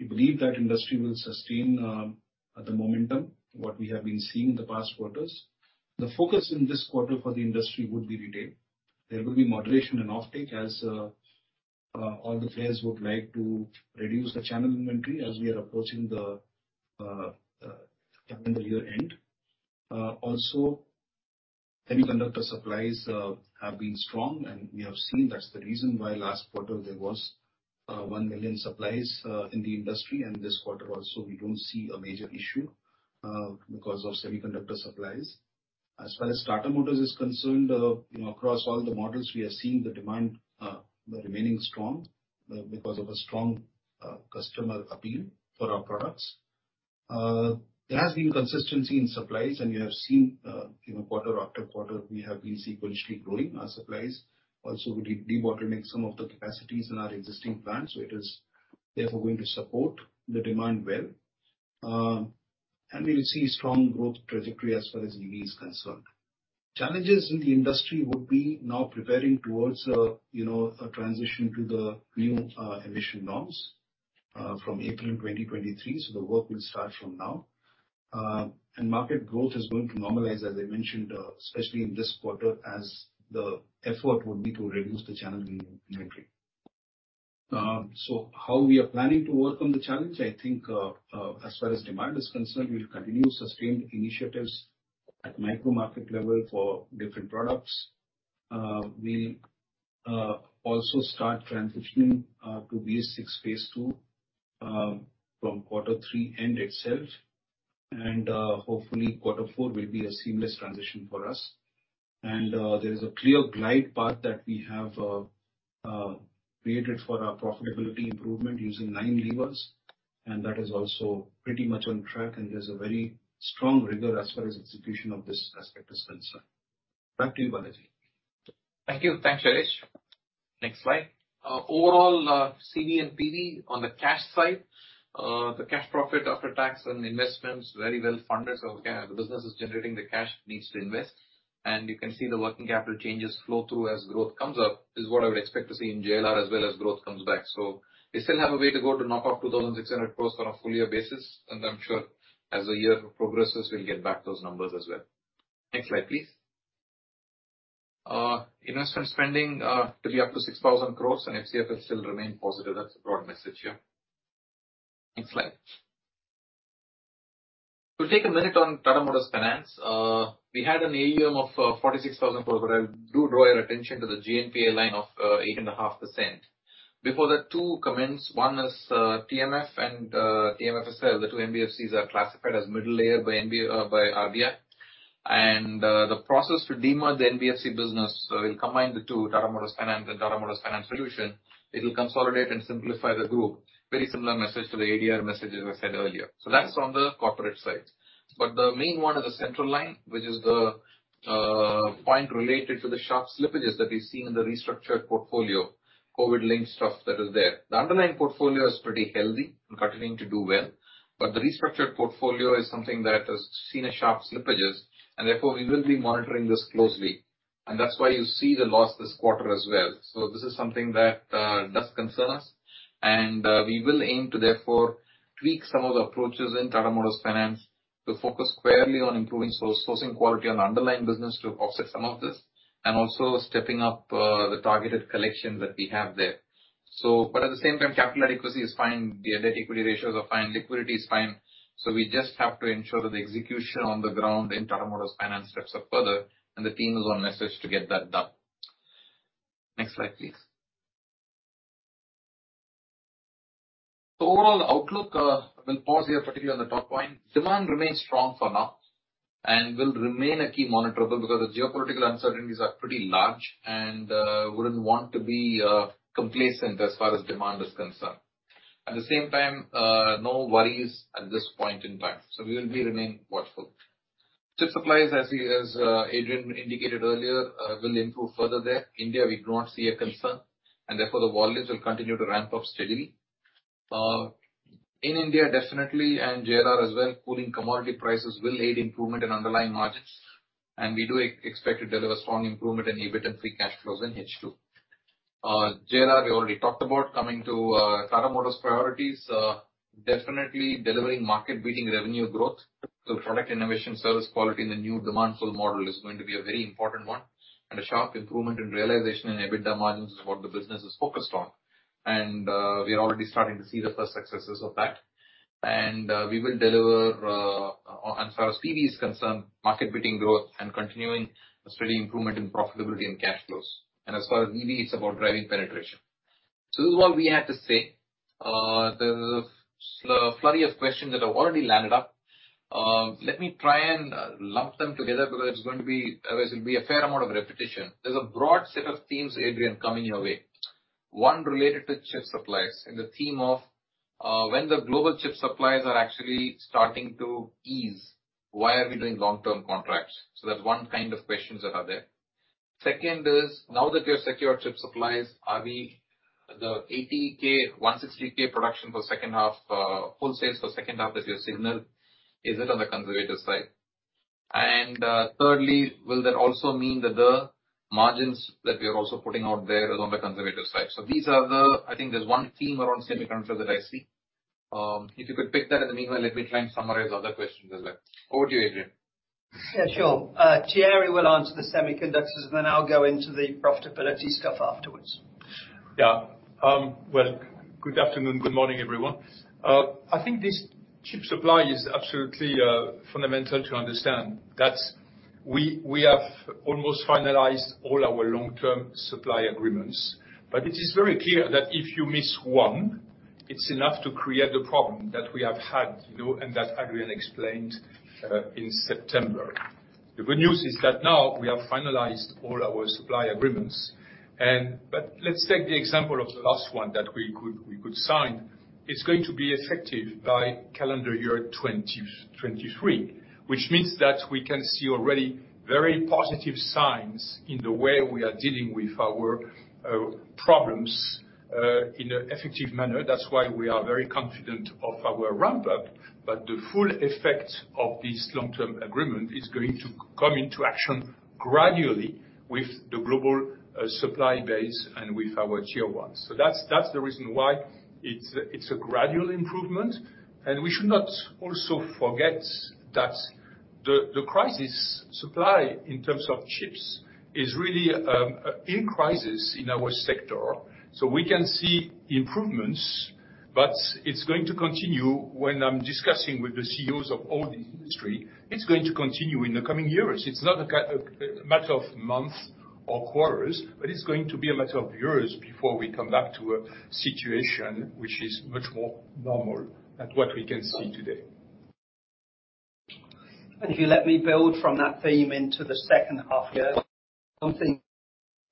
we believe that industry will sustain the momentum what we have been seeing in the past quarters. The focus in this quarter for the industry would be retail. There will be moderation in offtake as all the players would like to reduce the channel inventory as we are approaching the calendar year end. Also semiconductor supplies have been strong, and we have seen that's the reason why last quarter there was 1 million supplies in the industry, and this quarter also we don't see a major issue because of semiconductor supplies. As far as Tata Motors is concerned, you know, across all the models, we are seeing the demand remaining strong because of a strong customer appeal for our products. There has been consistency in supplies, and you have seen, you know, quarter after quarter, we have been sequentially growing our supplies. Also, we de-bottlenecked some of the capacities in our existing plants, so it is therefore going to support the demand well. We will see strong growth trajectory as far as EV is concerned. Challenges in the industry would be now preparing towards, you know, a transition to the new emission norms from April 2023. The work will start from now. Market growth is going to normalize, as I mentioned, especially in this quarter, as the effort would be to reduce the channel inventory. How we are planning to work on the challenge, I think, as far as demand is concerned, we'll continue sustained initiatives at micro market level for different products. We'll also start transitioning to BS-VI Phase II from quarter three end itself. There is a clear glide path that we have. Created for our profitability improvement using nine levers, and that is also pretty much on track, and there's a very strong rigor as far as execution of this aspect is concerned. Back to you, Balaji. Thank you. Thanks, Shailesh. Next slide. Overall, CV and PV on the cash side, the cash profit after tax and investments very well funded. So the business is generating the cash it needs to invest. You can see the working capital changes flow through as growth comes up, is what I would expect to see in JLR as well as growth comes back. We still have a way to go to knock off 2,600 crores on a full year basis. I'm sure as the year progresses, we'll get back those numbers as well. Next slide, please. Investment spending to be up to 6,000 crores and FCF will still remain positive. That's the broad message here. Next slide. We'll take a minute on Tata Motors Finance. We had an AUM of 46,000 crores, but I'll draw your attention to the GNPA line of 8.5%. Before that, two comments. One is, TMF and TMFSF, the two NBFCs are classified as middle layer by RBI. The process to demerge the NBFC business will combine the two, Tata Motors Finance and Tata Motors Finance Solutions. It will consolidate and simplify the group. Very similar message to the ADR messages I said earlier. That's on the corporate side. The main one is the central line, which is the point related to the sharp slippages that we've seen in the restructured portfolio, COVID-linked stuff that is there. The underlying portfolio is pretty healthy and continuing to do well, but the restructured portfolio is something that has seen a sharp slippages, and therefore we will be monitoring this closely. That's why you see the loss this quarter as well. This is something that does concern us, and we will aim to therefore tweak some of the approaches in Tata Motors Finance to focus squarely on improving sourcing quality on underlying business to offset some of this, and also stepping up the targeted collection that we have there. At the same time, capital adequacy is fine. The asset equity ratios are fine. Liquidity is fine. We just have to ensure the execution on the ground in Tata Motors Finance steps up further, and the team is on message to get that done. Next slide, please. Overall outlook, we'll pause here particularly on the top point. Demand remains strong for now and will remain a key monitorable because the geopolitical uncertainties are pretty large and, wouldn't want to be, complacent as far as demand is concerned. At the same time, no worries at this point in time, so we will be remain watchful. Chip supplies, as Adrian indicated earlier, will improve further there. India, we do not see a concern, and therefore, the volumes will continue to ramp up steadily. In India, definitely, and JLR as well, cooling commodity prices will aid improvement in underlying margins, and we do expect to deliver strong improvement in EBIT and free cash flows in H2. JLR, we already talked about. Coming to Tata Motors priorities, definitely delivering market-beating revenue growth through product innovation, service quality, and the new demand full model is going to be a very important one. A sharp improvement in realization and EBITDA margins is what the business is focused on. We are already starting to see the first successes of that. We will deliver, as far as CV is concerned, market-beating growth and continuing a steady improvement in profitability and cash flows. As far as EV, it's about driving penetration. This is what we have to say. There's a flurry of questions that have already landed up. Let me try and lump them together because there's going to be, this will be a fair amount of repetition. There's a broad set of themes, Adrian, coming your way. One related to chip supplies and the theme of, when the global chip supplies are actually starting to ease, why are we doing long-term contracts? That's one kind of questions that are there. Second is, now that we have secured chip supplies, are we the 80K, 160K production for second half, full sales for second half that you've signaled, is it on the conservative side? And, thirdly, will that also mean that the margins that we are also putting out there is on the conservative side? These are the questions. I think there's one theme around semiconductors that I see. If you could pick that. In the meanwhile, let me try and summarize other questions as well. Over to you, Adrian. Yeah, sure. Thierry will answer the semiconductors, and then I'll go into the profitability stuff afterwards. Yeah. Well, good afternoon, good morning, everyone. I think this chip supply is absolutely fundamental to understand. That is, we have almost finalized all our long-term supply agreements. It is very clear that if you miss one, it's enough to create the problem that we have had, you know, and that Adrian explained in September. The good news is that now we have finalized all our supply agreements, but let's take the example of the last one that we could sign. It's going to be effective by calendar year 2023. Which means that we can see already very positive signs in the way we are dealing with our problems in an effective manner. That's why we are very confident of our ramp-up. The full effect of this long-term agreement is going to come into action gradually with the global supply base and with our Tier 1s. That's the reason why it's a gradual improvement. We should not also forget that the supply crisis in terms of chips is really a crisis in our sector. We can see improvements, but it's going to continue. When I'm discussing with the CEOs of all the industry, it's going to continue in the coming years. It's not a matter of months or quarters, but it's going to be a matter of years before we come back to a situation which is much more normal than what we can see today. If you let me build from that theme into the second half year. One thing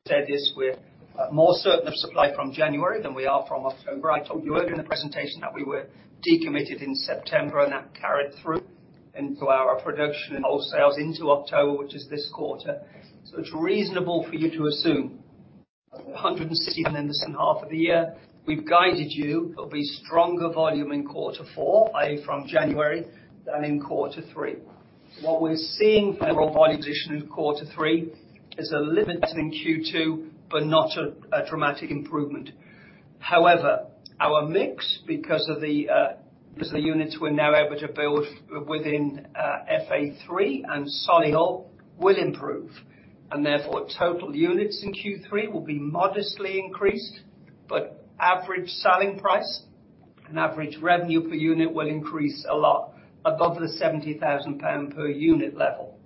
said is we're more certain of supply from January than we are from October. I told you earlier in the presentation that we were decommitted in September, and that carried through into our production and wholesales into October, which is this quarter. It's reasonable for you to assume 169,000 half of the year. We've guided you there'll be stronger volume in quarter four, i.e., from January, than in quarter three. What we're seeing for our volume position in quarter three is a limit in Q2, but not a dramatic improvement. However, our mix, because the units we're now able to build within Castle Bromwich and Solihull will improve, and therefore total units in Q3 will be modestly increased. Average selling price and average revenue per unit will increase a lot above the 70,000 pound per unit level,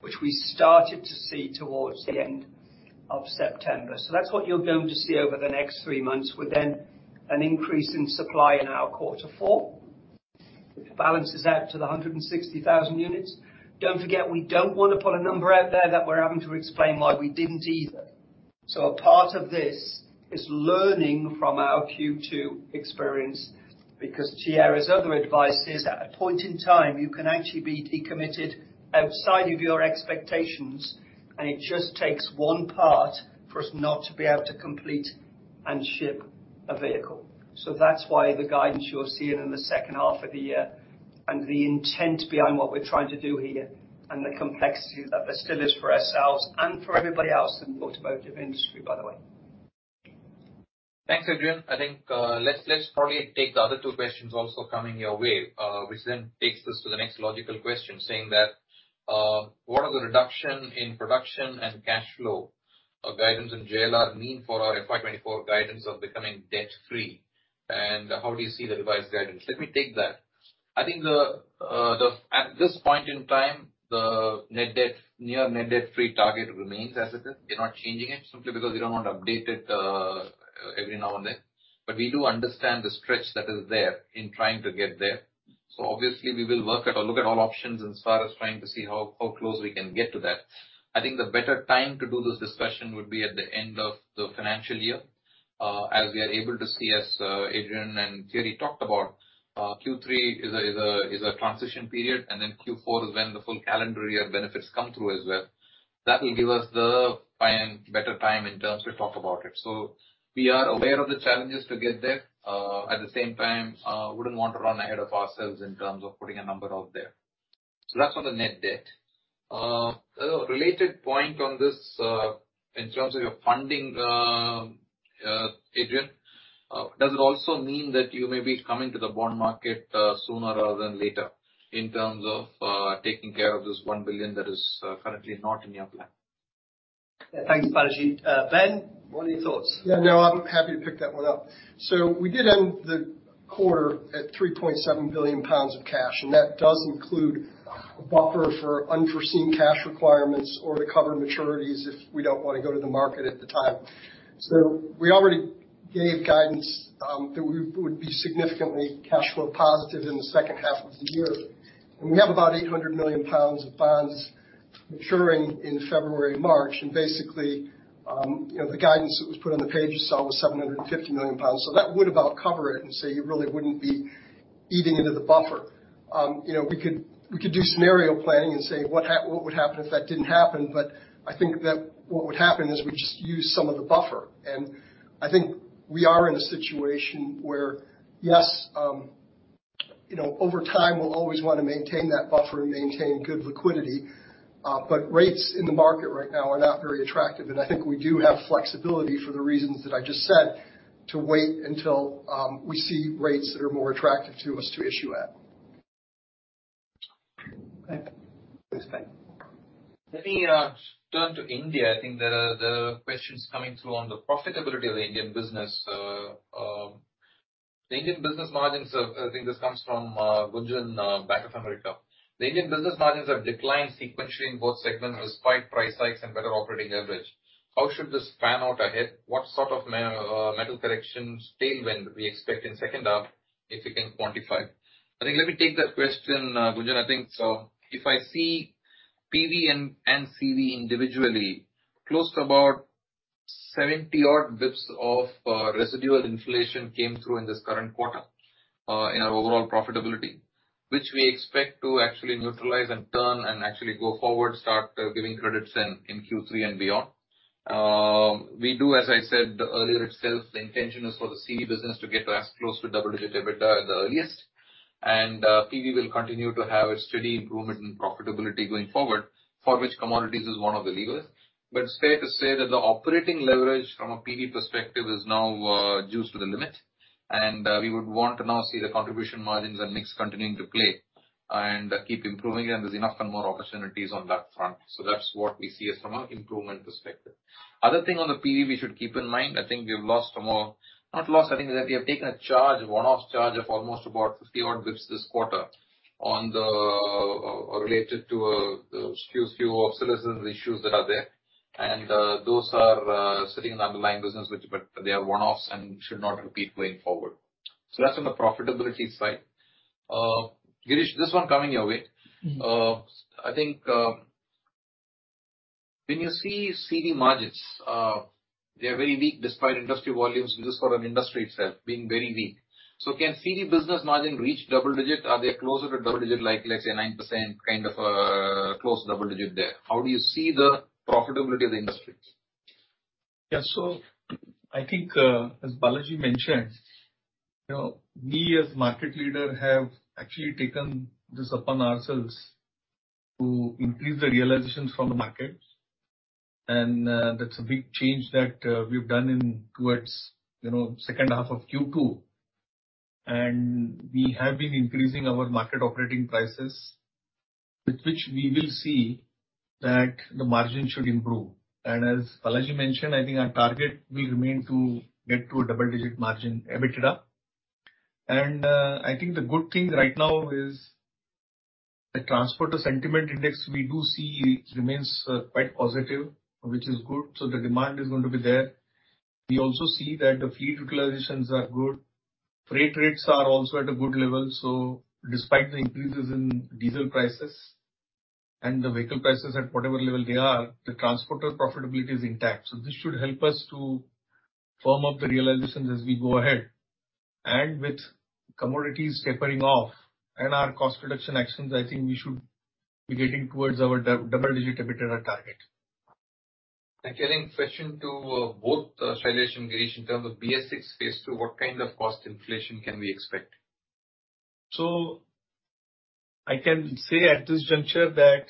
which we started to see towards the end of September. That's what you're going to see over the next three months, with then an increase in supply in our quarter four. It balances out to the 160,000 units. Don't forget, we don't wanna put a number out there that we're having to explain why we didn't either. A part of this is learning from our Q2 experience because Thierry's other advice is, at a point in time, you can actually be decommitted outside of your expectations, and it just takes one part for us not to be able to complete and ship a vehicle. That's why the guidance you're seeing in the second half of the year and the intent behind what we're trying to do here and the complexity that there still is for ourselves and for everybody else in the automotive industry, by the way. Thanks, Adrian. I think let's probably take the other two questions also coming your way, which then takes us to the next logical question saying that, what are the reduction in production and cash flow of guidance in JLR mean for our FY 2024 guidance of becoming debt-free, and how do you see the revised guidance? Let me take that. I think at this point in time, the net debt near net-debt-free target remains as it is. We're not changing it simply because we don't want to update it every now and then. We do understand the stretch that is there in trying to get there. Obviously we will work to look at all options and see how close we can get to that. I think the better time to do this discussion would be at the end of the financial year, as we are able to see, Adrian and Thierry talked about, Q3 is a transition period, and then Q4 is when the full calendar year benefits come through as well. That will give us the time, better time in terms to talk about it. We are aware of the challenges to get there, at the same time, wouldn't want to run ahead of ourselves in terms of putting a number out there. That's on the net debt. A related point on this, in terms of your funding, Adrian, does it also mean that you may be coming to the bond market sooner rather than later in terms of taking care of this 1 billion that is currently not in your plan? Thanks, Balaji. Ben, what are your thoughts? Yeah, no, I'm happy to pick that one up. We did end the quarter at 3.7 billion pounds of cash, and that does include a buffer for unforeseen cash requirements or to cover maturities if we don't wanna go to the market at the time. We already gave guidance that we would be significantly cash flow positive in the second half of the year. We have about 800 million pounds of bonds maturing in February, March. Basically, you know, the guidance that was put on the page you saw was 750 million pounds. That would about cover it and say you really wouldn't be eating into the buffer. You know, we could do scenario planning and say, "What would happen if that didn't happen?" I think that what would happen is we just use some of the buffer. I think we are in a situation where, yes, you know, over time, we'll always wanna maintain that buffer and maintain good liquidity. Rates in the market right now are not very attractive. I think we do have flexibility for the reasons that I just said to wait until we see rates that are more attractive to us to issue at. Okay. Thanks, Ben. Let me turn to India. I think there are the questions coming through on the profitability of the Indian business. The Indian business margins are. I think this comes from Gunjan, Bank of America. The Indian business margins have declined sequentially in both segments despite price hikes and better operating leverage. How should this pan out ahead? What sort of metal correction tailwind do we expect in second half, if you can quantify? I think let me take that question, Gunjan. I think, so if I see PV and CV individually, close to about 70 basis points of residual inflation came through in this current quarter, in our overall profitability, which we expect to actually neutralize and turn and actually go forward, start giving credits in Q3 and beyond. We do as I said earlier itself, the intention is for the CV business to get to as close to double-digit EBITDA at the earliest. PV will continue to have a steady improvement in profitability going forward, for which commodities is one of the levers. It's fair to say that the operating leverage from a PV perspective is now juiced to the limit, and we would want to now see the contribution margins and mix continuing to play and keep improving, and there's enough and more opportunities on that front. That's what we see as from an improvement perspective. Other thing on the PV we should keep in mind, I think we've lost from a. Not lost, I think that we have taken a charge, a one-off charge of almost about 50-odd basis points this quarter on the related to a few obsolescence issues that are there. Those are sitting in the underlying business but they are one-offs and should not repeat going forward. That's on the profitability side. Girish, this one coming your way. Mm-hmm. I think, when you see CV margins, they are very weak despite industry volumes, this sort of industry itself being very weak. Can CV business margin reach double digit? Are they closer to double digit like, let's say, 9%, kind of, close to double digit there? How do you see the profitability of the industry? Yeah. I think, as Balaji mentioned, you know, we as market leader have actually taken this upon ourselves to increase the realizations from the markets. That's a big change that we've done in towards, you know, second half of Q2. We have been increasing our market operating prices, with which we will see that the margin should improve. As Balaji mentioned, I think our target will remain to get to a double-digit margin, EBITDA. I think the good thing right now is the transporter sentiment index we do see remains, quite positive, which is good, so the demand is going to be there. We also see that the fleet utilizations are good. Freight rates are also at a good level. Despite the increases in diesel prices and the vehicle prices at whatever level they are, the transporter profitability is intact. This should help us to firm up the realizations as we go ahead. With commodities tapering off and our cost reduction actions, I think we should be getting towards our double-digit EBITDA target. A question to both, Shailesh and Girish. In terms of BS-VI Phase II, what kind of cost inflation can we expect? I can say at this juncture that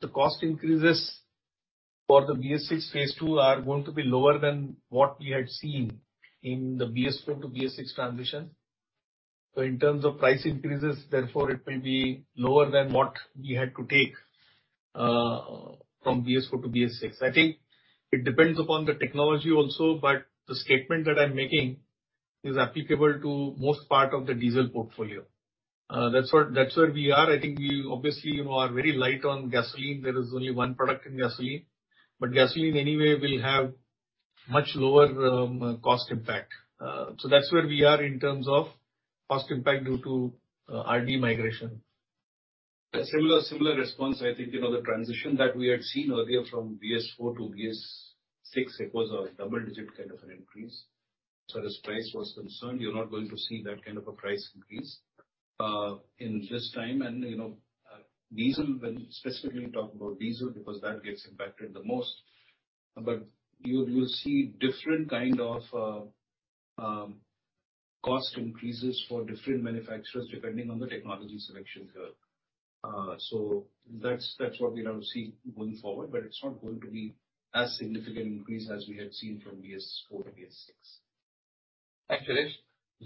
the cost increases for the BS-VI Phase II are going to be lower than what we had seen in the BS-IV to BS-VI transition. In terms of price increases, therefore, it will be lower than what we had to take from BS-IV to BS-VI. I think it depends upon the technology also, but the statement that I'm making is applicable to most part of the diesel portfolio. That's where we are. I think we obviously, you know, are very light on gasoline. There is only one product in gasoline. Gasoline anyway will have much lower cost impact. That's where we are in terms of cost impact due to RDE migration. A similar response, I think, you know, the transition that we had seen earlier from BS IV to BS VI, it was a double-digit kind of an increase. Far as price was concerned, you're not going to see that kind of a price increase at this time. You know, diesel, when specifically talk about diesel, because that gets impacted the most. You'll see different kind of cost increases for different manufacturers depending on the technology selection curve. That's what we now see going forward, but it's not going to be as significant increase as we had seen from BS IV to BS VI. Thanks Girish.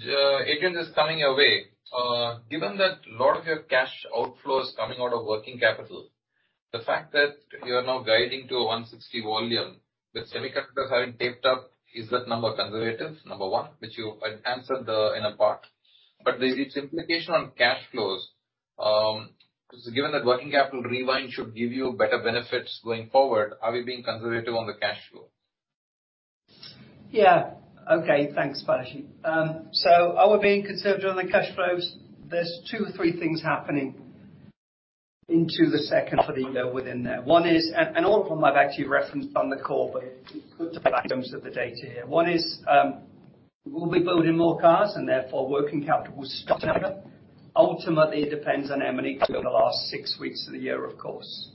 Adrian, this is coming your way. Given that a lot of your cash outflow is coming out of working capital, the fact that you are now guiding to a 160 volume with semiconductors having ramped up, is that number conservative? Number one, which you had answered in part. Is its implication on cash flows, given that working capital unwind should give you better benefits going forward, are we being conservative on the cash flow? Yeah. Okay. Thanks, Balaji. So are we being conservative on the cash flows? There's two or three things happening in the second half of the year within that. And all of them I've actually referenced on the call, but it's good to itemize the data here. One is, we'll be building more cars and therefore working capital will stock higher. Ultimately, it depends on M&A too, in the last six weeks of the year, of course.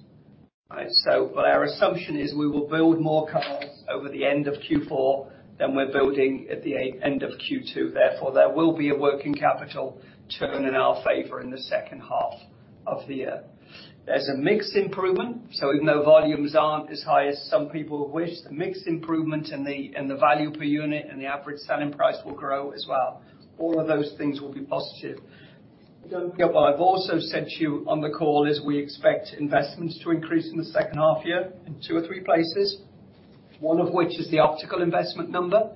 Right? But our assumption is we will build more cars towards the end of Q4 than we're building at the end of Q2. Therefore, there will be a working capital turn in our favor in the second half of the year. There's a mix improvement. Even though volumes aren't as high as some people wish, the mix improvement and the value per unit and the average selling price will grow as well. All of those things will be positive. I've also said to you on the call is we expect investments to increase in the second half year in two or three places, one of which is the capital investment number,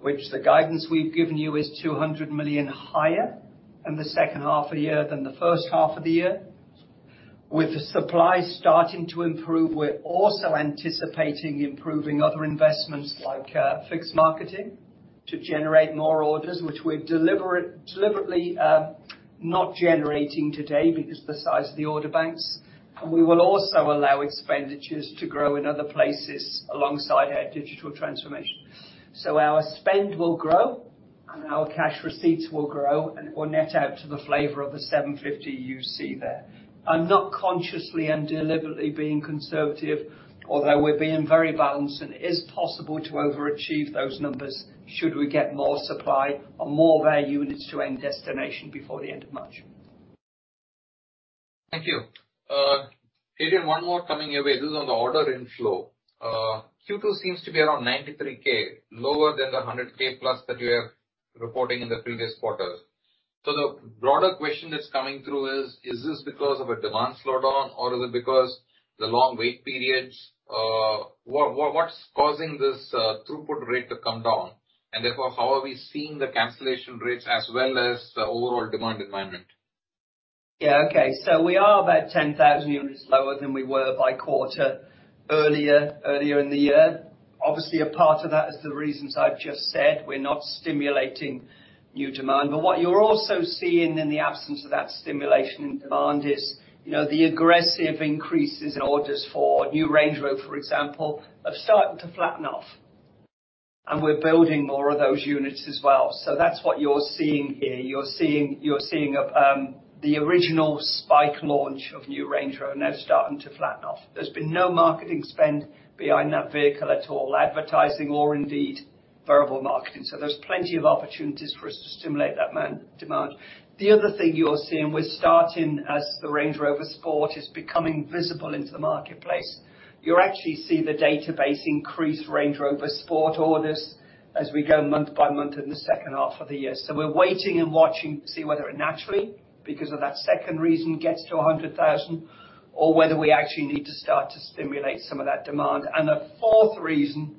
which the guidance we've given you is 200 million higher in the second half of the year than the first half of the year. With the supply starting to improve, we're also anticipating improving other investments like fixed marketing to generate more orders, which we're deliberately not generating today because the size of the order banks. We will also allow expenditures to grow in other places alongside our digital transformation. Our spend will grow, and our cash receipts will grow, and it will net out to the flavor of the 750 you see there. I'm not consciously and deliberately being conservative, although we're being very balanced, and it is possible to overachieve those numbers should we get more supply or more of our units to end destination before the end of March. Thank you. Adrian, one more coming your way. This is on the order inflow. Q2 seems to be around 93K, lower than the 100K plus that you are reporting in the previous quarter. The broader question that's coming through is this because of a demand slowdown or is it because of the long wait periods? What's causing this throughput rate to come down? Therefore, how are we seeing the cancellation rates as well as the overall demand environment? Yeah. Okay. We are about 10,000 units lower than we were a quarter earlier in the year. Obviously, a part of that is the reasons I've just said. We're not stimulating new demand. What you're also seeing in the absence of that stimulation in demand is, you know, the aggressive increases in orders for new Range Rover, for example, have started to flatten off. We're building more of those units as well. That's what you're seeing here. You're seeing the original spike launch of new Range Rover now starting to flatten off. There's been no marketing spend behind that vehicle at all, advertising or indeed variable marketing. There's plenty of opportunities for us to stimulate that demand. The other thing you're seeing as the Range Rover Sport is becoming visible in the marketplace. You actually see the database increase Range Rover Sport orders as we go month by month in the second half of the year. We're waiting and watching to see whether it naturally, because of that second reason, gets to 100,000, or whether we actually need to start to stimulate some of that demand. The fourth reason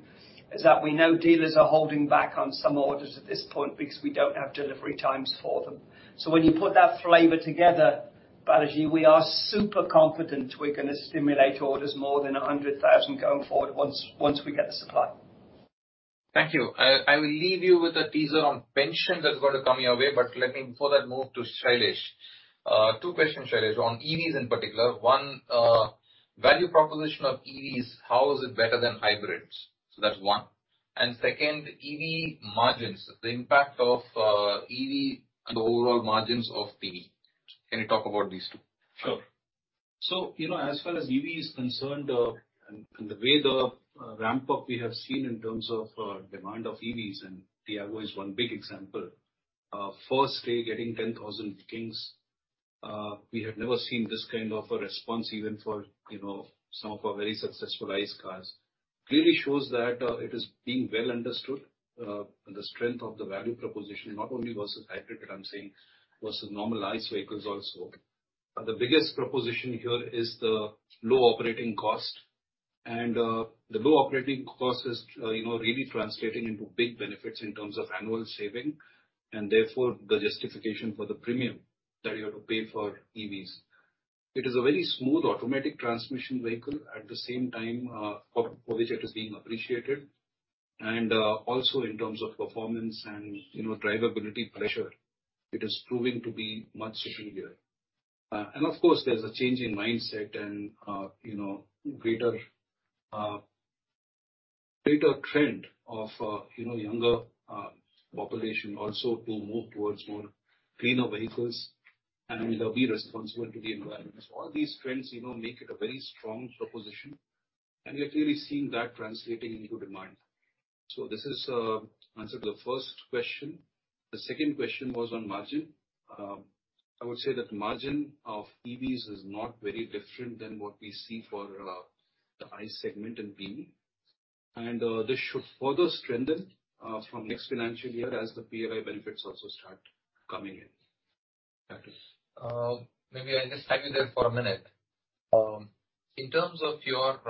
is that we know dealers are holding back on some orders at this point because we don't have delivery times for them. When you put that flavor together, Balaji, we are super confident we're gonna stimulate orders more than 100,000 going forward once we get the supply. Thank you. I will leave you with a teaser on pension that's gonna come your way, but let me before that move to Shailesh. Two questions, Shailesh. On EVs in particular, one, value proposition of EVs, how is it better than hybrids? So that's one. And second, EV margins, the impact of EV on the overall margins of PV. Can you talk about these two? Sure. You know, as far as EV is concerned, and the way the ramp-up we have seen in terms of demand of EVs, and Tiago is one big example, first day getting 10,000 bookings, we have never seen this kind of a response even for, you know, some of our very successful ICE cars. Clearly shows that it is being well understood, the strength of the value proposition, not only versus hybrid, but I'm saying versus normal ICE vehicles also. The biggest proposition here is the low operating cost. The low operating cost is, you know, really translating into big benefits in terms of annual saving, and therefore the justification for the premium that you have to pay for EVs. It is a very smooth automatic transmission vehicle. At the same time, for which it is being appreciated. Also in terms of performance and, you know, driving pleasure, it is proving to be much superior. Of course, there's a change in mindset and, you know, greater trend of, you know, younger population also to move towards cleaner vehicles and, you know, be responsible to the environment. All these trends, you know, make it a very strong proposition, and we're clearly seeing that translating into demand. This is answer to the first question. The second question was on margin. I would say that margin of EVs is not very different than what we see for the ICE segment in PV. This should further strengthen from next financial year as the PLI benefits also start coming in. That is. Maybe I just tag you there for a minute. In terms of your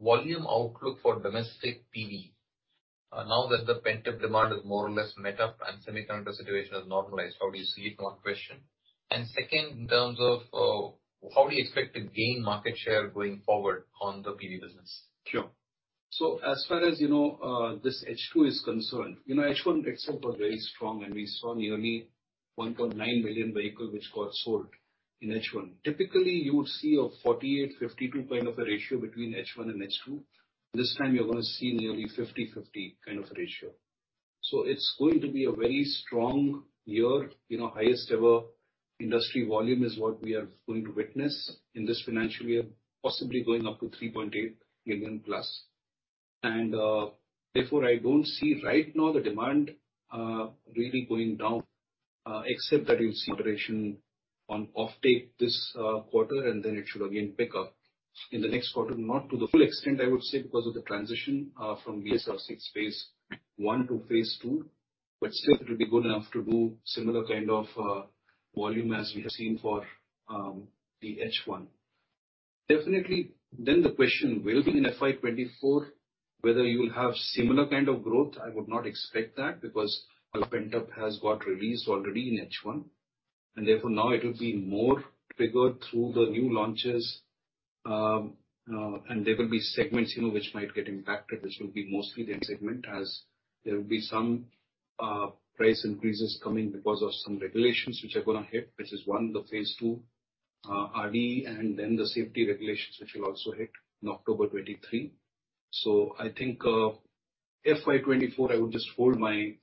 volume outlook for domestic PV, now that the pent-up demand is more or less met up and semiconductor situation has normalized, how do you see it? One question. Second, in terms of how do you expect to gain market share going forward on the PV business? Sure. As far as you know, this H2 is concerned, you know, H1 picks up a very strong, and we saw nearly 1.9 million vehicle which got sold in H1. Typically, you would see a 48-52 kind of a ratio between H1 and H2. This time you're gonna see nearly 50-50 kind of ratio. It's going to be a very strong year. You know, highest ever industry volume is what we are going to witness in this financial year, possibly going up to 3.8 million+. Therefore, I don't see right now the demand really going down, except that you'll see moderation on offtake this quarter, and then it should again pick up in the next quarter. Not to the full extent, I would say, because of the transition from BS-VI Phase I to Phase II, but still it will be good enough to do similar kind of volume as we have seen for the H1. Definitely, the question will be in FY 2024, whether you'll have similar kind of growth. I would not expect that, because all pent-up has got released already in H1, and therefore now it will be more triggered through the new launches. There will be segments, you know, which might get impacted. This will be mostly the end segment, as there will be some price increases coming because of some regulations which are gonna hit, which is one, the Phase II RDE, and then the safety regulations which will also hit in October 2023. I think FY 2024, I would just hold my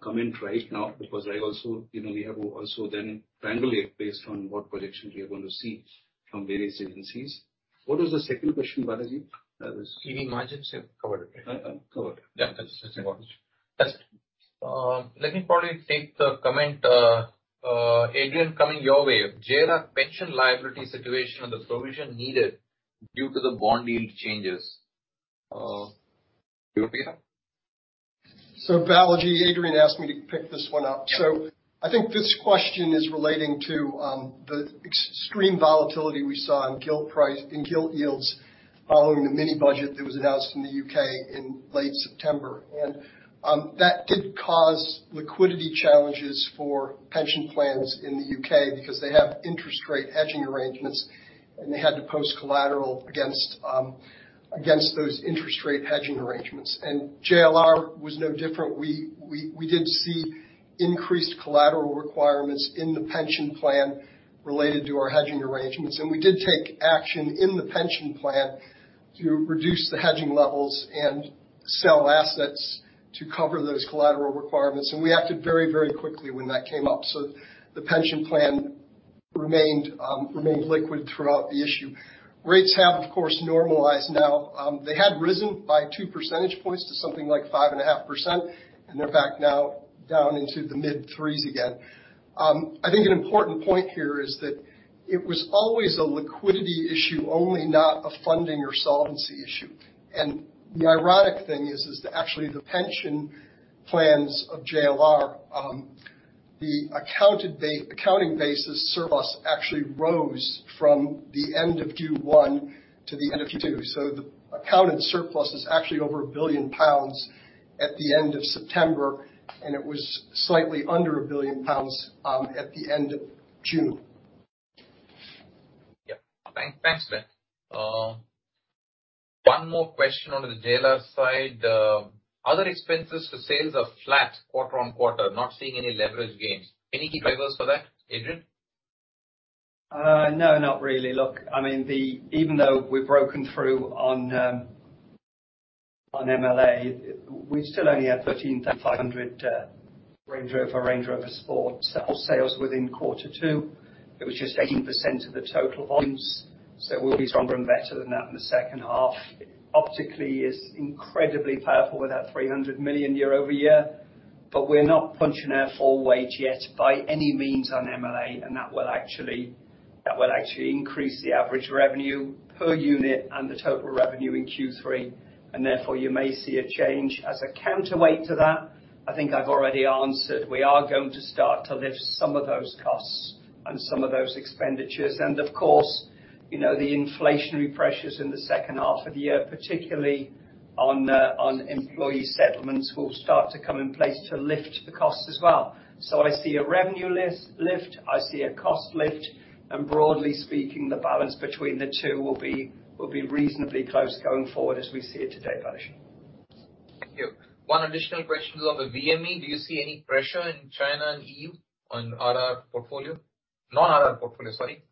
comment right now because I also, you know, we have also then triangulate based on what projections we are gonna see from various agencies. What was the second question, Balaji? EV margins, you have covered. Covered. Yeah. That's important. That's it. Let me probably take the comment, Adrian, coming your way. JLR pension liability situation and the provision needed due to the bond yield changes. You want me to? Balaji, Adrian asked me to pick this one up. I think this question is relating to the extreme volatility we saw in gilt yields following the mini budget that was announced in the U.K. In late September. That did cause liquidity challenges for pension plans in the U.K. because they have interest rate hedging arrangements, and they had to post collateral against those interest rate hedging arrangements. JLR was no different. We did see increased collateral requirements in the pension plan related to our hedging arrangements. We did take action in the pension plan to reduce the hedging levels and sell assets to cover those collateral requirements. We acted very quickly when that came up. The pension plan remained liquid throughout the issue. Rates have, of course, normalized now. They had risen by 2 percentage points to something like 5.5%, and they're back now down into the mid-3s again. I think an important point here is that it was always a liquidity issue, only not a funding or solvency issue. The ironic thing is that actually the pension plans of JLR, the accounting basis surplus actually rose from the end of Q1 to the end of Q2. The accounted surplus is actually over 1 billion pounds at the end of September, and it was slightly under 1 billion pounds at the end of June. Thanks, Ben. One more question on the JLR side. Other expenses for sales are flat quarter-over-quarter, not seeing any leverage gains. Any key drivers for that, Adrian? No, not really. Look, I mean, even though we've broken through on MLA, we still only had 13,500 Range Rover Sport sales within Q2. It was just 18% of the total volumes, so we'll be stronger and better than that in the second half. Optically, it's incredibly powerful with that GBP 300 million year-over-year. We're not punching our full weight yet by any means on MLA, and that will actually increase the average revenue per unit and the total revenue in Q3, and therefore you may see a change. As a counterweight to that, I think I've already answered. We are going to start to lift some of those costs and some of those expenditures. Of course, you know, the inflationary pressures in the second half of the year, particularly on employee settlements, will start to come in place to lift the costs as well. I see a revenue lift. I see a cost lift. Broadly speaking, the balance between the two will be reasonably close going forward as we see it today, Balaji. Thank you. One additional question on the VME. Do you see any pressure in China and EU on RR portfolio? Non-RR portfolio, sorry.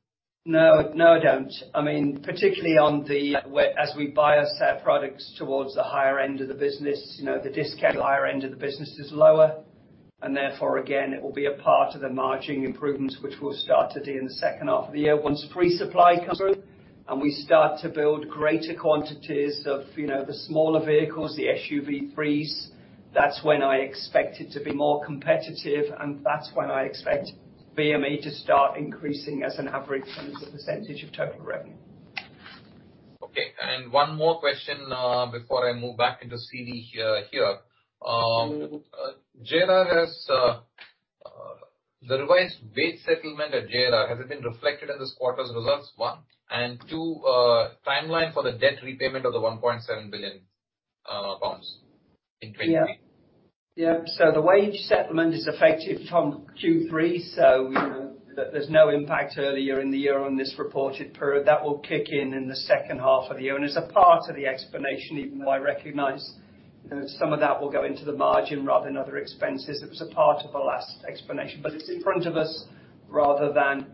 No. No, I don't. I mean, particularly whereas we bias our products towards the higher end of the business, you know, the discount at the higher end of the business is lower. Therefore, again, it will be a part of the margin improvements which we'll start to see in the second half of the year once freer supply comes through and we start to build greater quantities of, you know, the smaller vehicles, the SUV 3s. That's when I expect it to be more competitive, and that's when I expect VME to start increasing as an average and as a percentage of total revenue. Okay. One more question before I move back into CV here. JLR has the revised base settlement at JLR, has it been reflected in this quarter's results? One. Two, timeline for the debt repayment of 1.7 billion pounds in 2023. The wage settlement is effective from Q3, so you know, there's no impact earlier in the year on this reported period. That will kick in in the second half of the year. As a part of the explanation, even though I recognize that some of that will go into the margin rather than other expenses, it was a part of the last explanation. It's in front of us rather than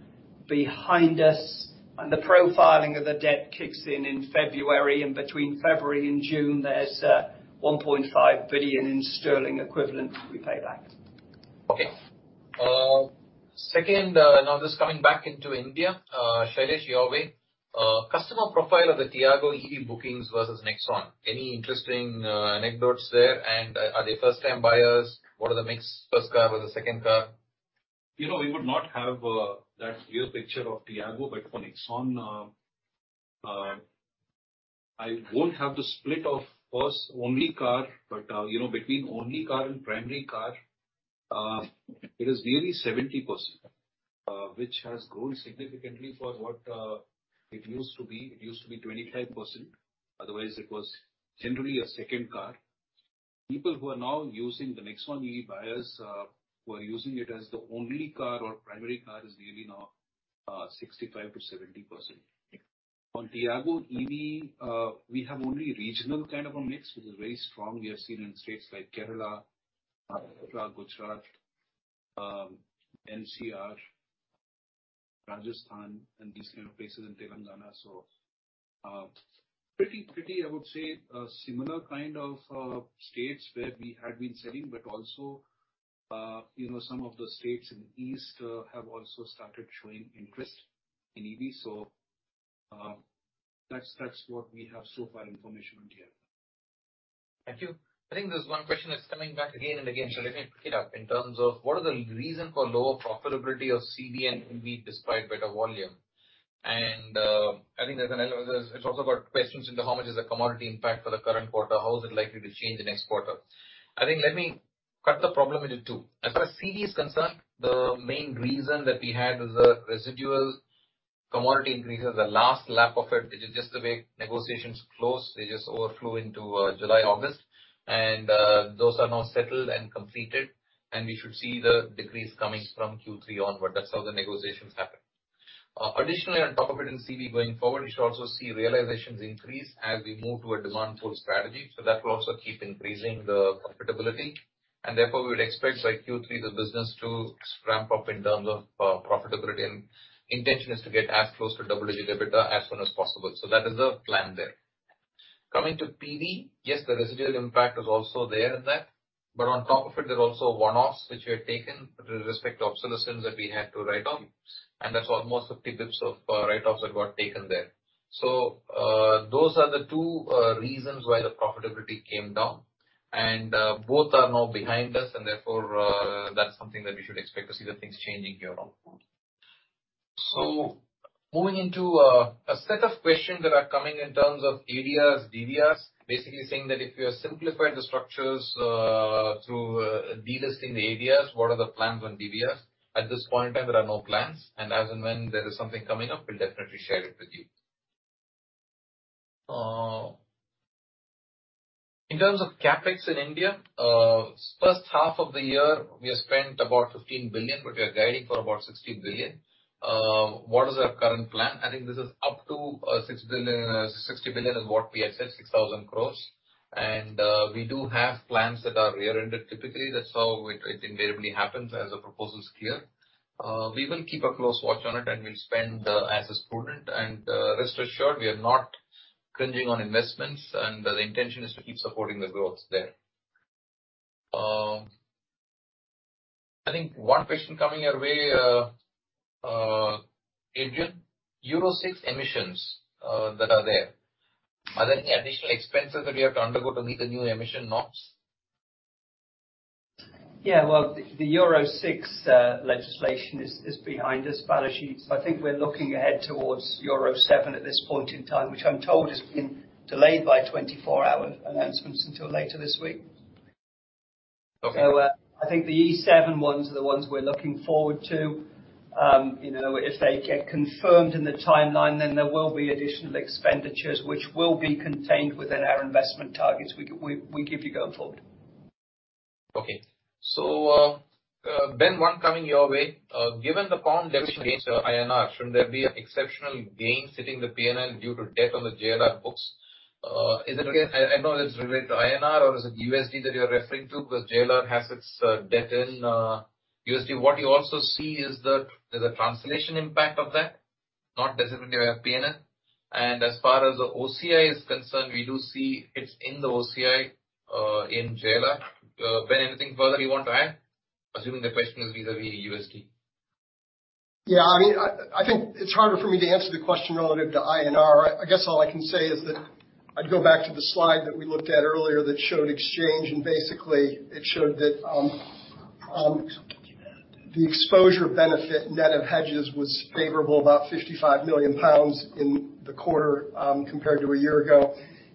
behind us. The profiling of the debt kicks in in February. Between February and June, there's 1.5 billion sterling equivalent we pay back. Okay. Second, now just coming back into India, Shailesh, your way. Customer profile of the Tiago EV bookings versus Nexon. Any interesting anecdotes there? And are they first-time buyers? What are the mix? First car or the second car? You know, we would not have that clear picture of Tiago, but for Nexon, I won't have the split of first only car. You know, between only car and primary car, it is nearly 70%, which has grown significantly for what it used to be. It used to be 25%. Otherwise, it was generally a second car. People who are now using the Nexon EV buyers, who are using it as the only car or primary car is really now 65%-70%. On Tiago EV, we have only regional kind of a mix, which is very strong. We have seen in states like Kerala, Gujarat, NCR, Rajasthan, and these kind of places, and Telangana. Pretty, I would say, similar kind of states where we had been selling, but also, you know, some of the states in the east have also started showing interest in EV. That's what we have so far information on Tiago. Thank you. I think there's one question that's coming back again and again. Let me pick it up in terms of what are the reason for lower profitability of CV and MV despite better volume. I think there's, it's also got questions into how much is the commodity impact for the current quarter. How is it likely to change the next quarter? I think let me cut the problem into two. As far as CV is concerned, the main reason that we had was the residual commodity increases, the last lap of it, which is just the way negotiations close. They just overflow into July, August, and those are now settled and completed, and we should see the decrease coming from Q3 onward. That's how the negotiations happen. Additionally, on top of it, in CV going forward, you should also see realizations increase as we move to a demand pull strategy. That will also keep increasing the profitability, and therefore, we would expect by Q3 the business to ramp up in terms of profitability. Intention is to get as close to double-digit EBITDA as soon as possible. That is the plan there. Coming to PV, yes, the residual impact is also there in that. On top of it, there are also one-offs which we have taken with respect to obsolescence that we had to write off, and that's almost 50 basis points of write-offs that got taken there. Those are the two reasons why the profitability came down, and both are now behind us and therefore, that's something that we should expect to see the things changing here on. Moving into a set of questions that are coming in terms of ADRs, GDRs. Basically saying that if we are simplifying the structures through delisting the ADRs, what are the plans on GDRs? At this point in time, there are no plans. As and when there is something coming up, we'll definitely share it with you. In terms of CapEx in India, first half of the year, we have spent about 15 billion, but we are guiding for about 60 billion. What is our current plan? I think this is up to 6 billion, 60 billion is what we have said, 6,000 crores. We do have plans that are year-ended typically. That's how it invariably happens as the proposal's clear. We will keep a close watch on it and we'll spend as is prudent. Rest assured, we are not skimping on investments, and the intention is to keep supporting the growth there. I think one question coming your way, Adrian, Euro 6 emissions that are there, are there any additional expenses that you have to undergo to meet the new emission norms? Well, the Euro 6 legislation is behind us, Balaji. I think we're looking ahead towards Euro 7 at this point in time, which I'm told has been delayed by 24 hours. Announcement's until later this week. Okay. I think the Euro 7 ones are the ones we're looking forward to. You know, if they get confirmed in the timeline, then there will be additional expenditures which will be contained within our investment targets we give you going forward. Okay. Ben, one coming your way. Given the pound depreciation against INR, shouldn't there be exceptional gains hitting the PNL due to debt on the JLR books? Again, I know it's related to INR or is it USD that you're referring to? Because JLR has its debt in USD. What you also see is there's a translation impact of that, not necessarily via PNL. As far as the OCI is concerned, we do see it's in the OCI in JLR. Ben, anything further you want to add, assuming the question is vis-à-vis USD? Yeah. I mean, I think it's harder for me to answer the question relative to INR. I guess all I can say is that I'd go back to the slide that we looked at earlier that showed exchange, and basically it showed that the exposure benefit net of hedges was favorable, about 55 million pounds in the quarter, compared to a year ago.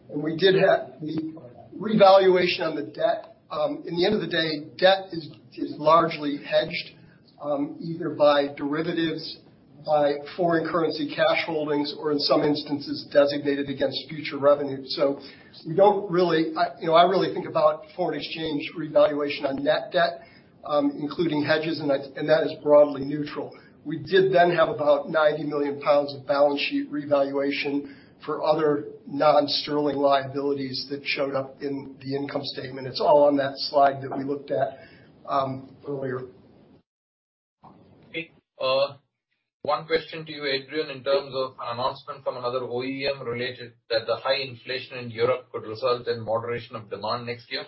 We did have the revaluation on the debt. At the end of the day, debt is largely hedged, either by derivatives, by foreign currency cash holdings, or in some instances designated against future revenue. We don't really. You know, I really think about foreign exchange revaluation on net debt, including hedges, and that is broadly neutral. We did then have about 90 million pounds of balance sheet revaluation for other non-sterling liabilities that showed up in the income statement. It's all on that slide that we looked at, earlier. Okay. One question to you, Adrian, in terms of an announcement from another OEM related that the high inflation in Europe could result in moderation of demand next year.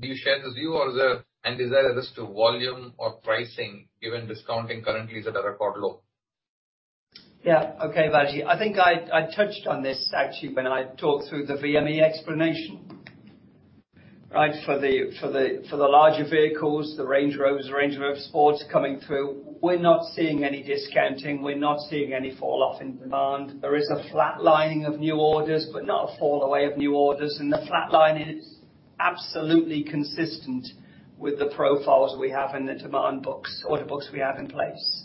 Do you share the view or is there a risk to volume or pricing given discounting currently is at a record low? Yeah. Okay, Balaji. I think I touched on this actually when I talked through the VME explanation. Right? For the larger vehicles, the Range Rovers, Range Rover Sport coming through, we're not seeing any discounting, we're not seeing any fall off in demand. There is a flat lining of new orders, but not a fall away of new orders. The flat line is absolutely consistent with the profiles we have in the demand books, order books we have in place.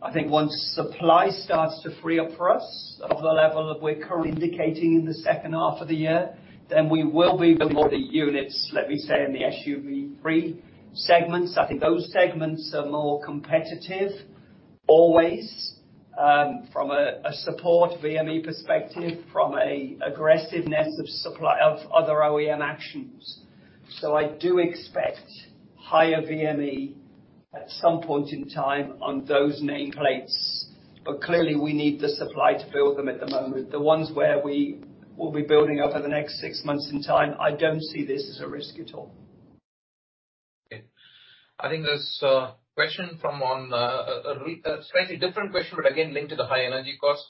I think once supply starts to free up for us of the level that we're currently indicating in the second half of the year, then we will be able to order units, let me say, in the SUV 3 segments. I think those segments are more competitive always from a support VME perspective, from a aggressiveness of supply of other OEM actions. I do expect higher VME at some point in time on those nameplates. Clearly we need the supply to build them at the moment. The ones where we will be building over the next six months in time, I don't see this as a risk at all. Okay. I think there's a question. A slightly different question, but again linked to the high energy cost.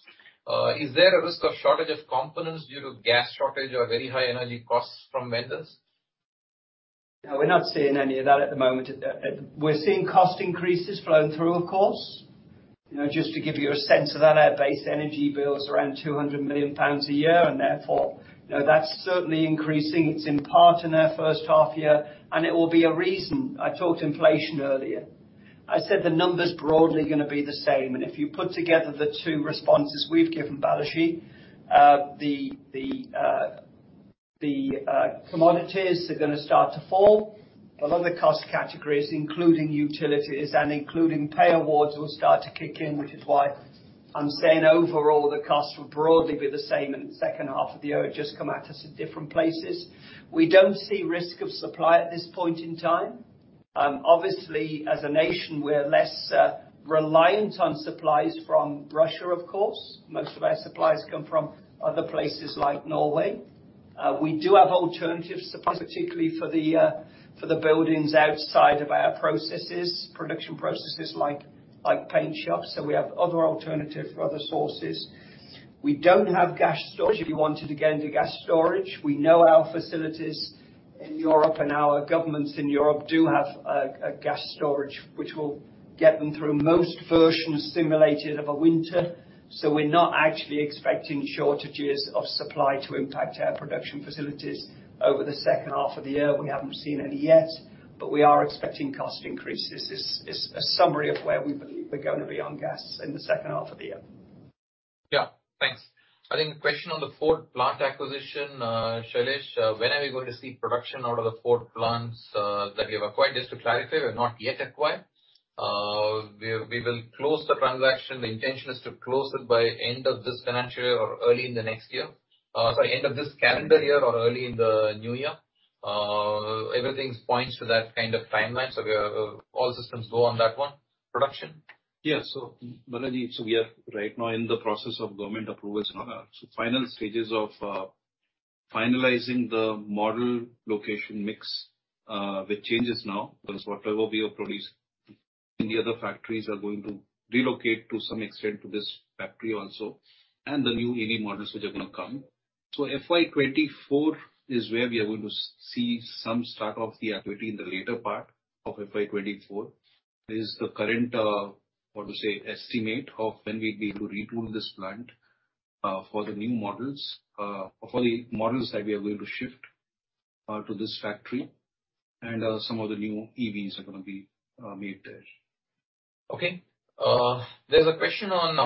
Is there a risk of shortage of components due to gas shortage or very high energy costs from vendors? No, we're not seeing any of that at the moment. We're seeing cost increases flowing through, of course. You know, just to give you a sense of that, our base energy bill is around 200 million pounds a year, and therefore, you know, that's certainly increasing. It's impacting our first half year, and it will be a reason. I talked about inflation earlier. I said the numbers broadly are gonna be the same, and if you put together the two responses we've given, Balaji, the commodities are gonna start to fall. A lot of the cost categories, including utilities and including pay awards, will start to kick in, which is why I'm saying overall the costs will broadly be the same in the second half of the year. It just comes at us from different places. We don't see supply risk at this point in time. Obviously, as a nation, we're less reliant on supplies from Russia, of course. Most of our supplies come from other places like Norway. We do have alternative supplies, particularly for the buildings outside of our production processes like paint shops. We have other alternatives from other sources. We don't have gas storage. If you wanted to get into gas storage, we know our facilities in Europe and our governments in Europe do have a gas storage which will get them through most severe simulated versions of a winter. We're not actually expecting shortages of supply to impact our production facilities over the second half of the year. We haven't seen any yet, but we are expecting cost increases. This is a summary of where we believe we're gonna be on gas in the second half of the year. Yeah. Thanks. I think the question on the Ford plant acquisition, Shailesh, when are we going to see production out of the Ford plants that we have acquired? Just to clarify, we've not yet acquired. We will close the transaction. The intention is to close it by end of this financial year or early in the next year. End of this calendar year or early in the new year. Everything points to that kind of timeline. We are all systems go on that one. Production? Yeah. Balaji, we are right now in the process of government approvals. Final stages of finalizing the model location mix with changes now, because whatever we are producing in the other factories are going to relocate to some extent to this factory also, and the new EV models which are gonna come. FY 2024 is where we are going to see some start of the activity in the later part of FY 2024. Is the current how to say estimate of when we'll be able to retool this plant for the new models. For the models that we are going to shift to this factory and some of the new EVs are gonna be made there. Okay. There's a question on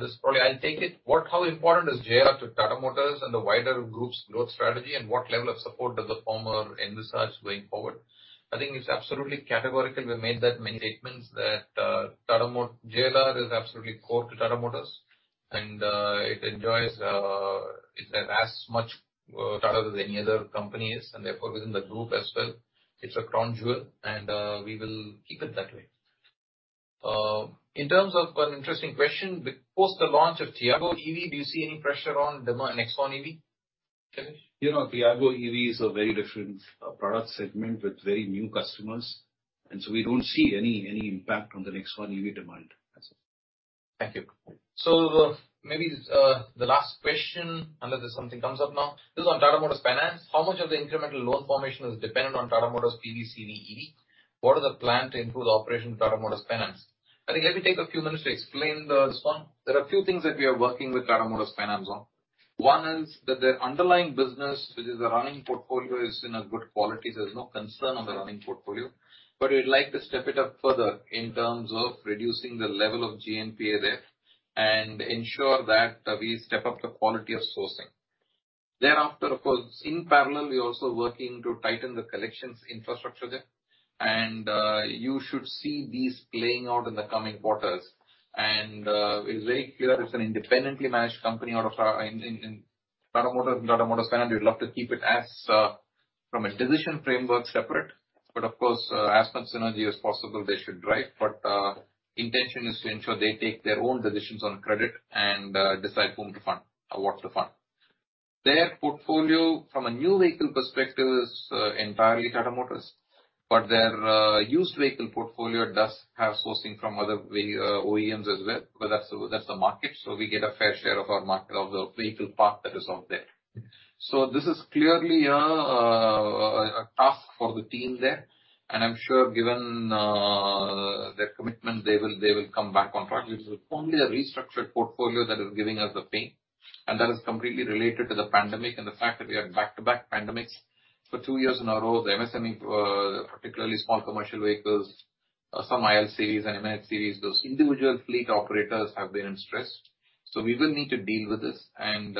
this. Probably I'll take it. How important is JLR to Tata Motors and the wider group's growth strategy, and what level of support does the former envisage going forward? I think it's absolutely categorically. We made that many statements that JLR is absolutely core to Tata Motors and it enjoys, it's as much Tata as any other company is, and therefore within the group as well. It's a crown jewel, and we will keep it that way. In terms of an interesting question, post the launch of Tiago EV, do you see any pressure on Nexon EV? Shailesh? You know, Tiago EV is a very different product segment with very new customers, and so we don't see any impact on the Nexon EV demand. That's all. Thank you. Maybe the last question, unless there's something comes up now. This is on Tata Motors Finance. How much of the incremental loan formation is dependent on Tata Motors PV, CV, EV? What is the plan to improve the operation of Tata Motors Finance? I think let me take a few minutes to explain this one. There are a few things that we are working with Tata Motors Finance on. One is that their underlying business, which is the running portfolio, is in a good quality. There's no concern on the running portfolio. But we'd like to step it up further in terms of reducing the level of GNPA there and ensure that we step up the quality of sourcing. Thereafter, of course, in parallel, we're also working to tighten the collections infrastructure there. You should see these playing out in the coming quarters. We're very clear it's an independently managed company. In Tata Motors, Tata Motors Finance, we'd love to keep it as from a decision framework separate. Of course, as much synergy as possible they should drive. Intention is to ensure they take their own decisions on credit and decide whom to fund or what to fund. Their portfolio, from a new vehicle perspective, is entirely Tata Motors. Their used vehicle portfolio does have sourcing from other OEMs as well, but that's the market. We get a fair share of our market, of the vehicle park that is out there. This is clearly a task for the team there. I'm sure given their commitment, they will come back on track. It's only a restructured portfolio that is giving us the pain, and that is completely related to the pandemic and the fact that we had back-to-back pandemics for two years in a row. The MSME, particularly small commercial vehicles, some I&L series and M&H series, those individual fleet operators have been in stress. We will need to deal with this and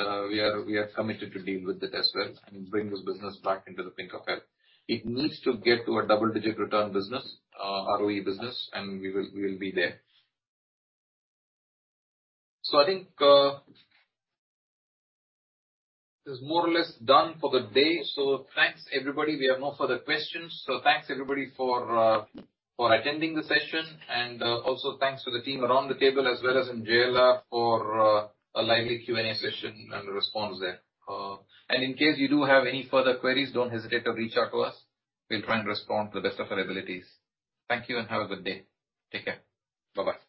we are committed to deal with it as well and bring this business back into the pink of health. It needs to get to a double-digit return business, ROE business, and we will be there. I think this is more or less done for the day. Thanks, everybody. We have no further questions. Thanks, everybody, for attending the session. Also thanks to the team around the table as well as in JLR for a lively Q&A session and the response there. In case you do have any further queries, don't hesitate to reach out to us. We'll try and respond to the best of our abilities. Thank you and have a good day. Take care. Bye-bye.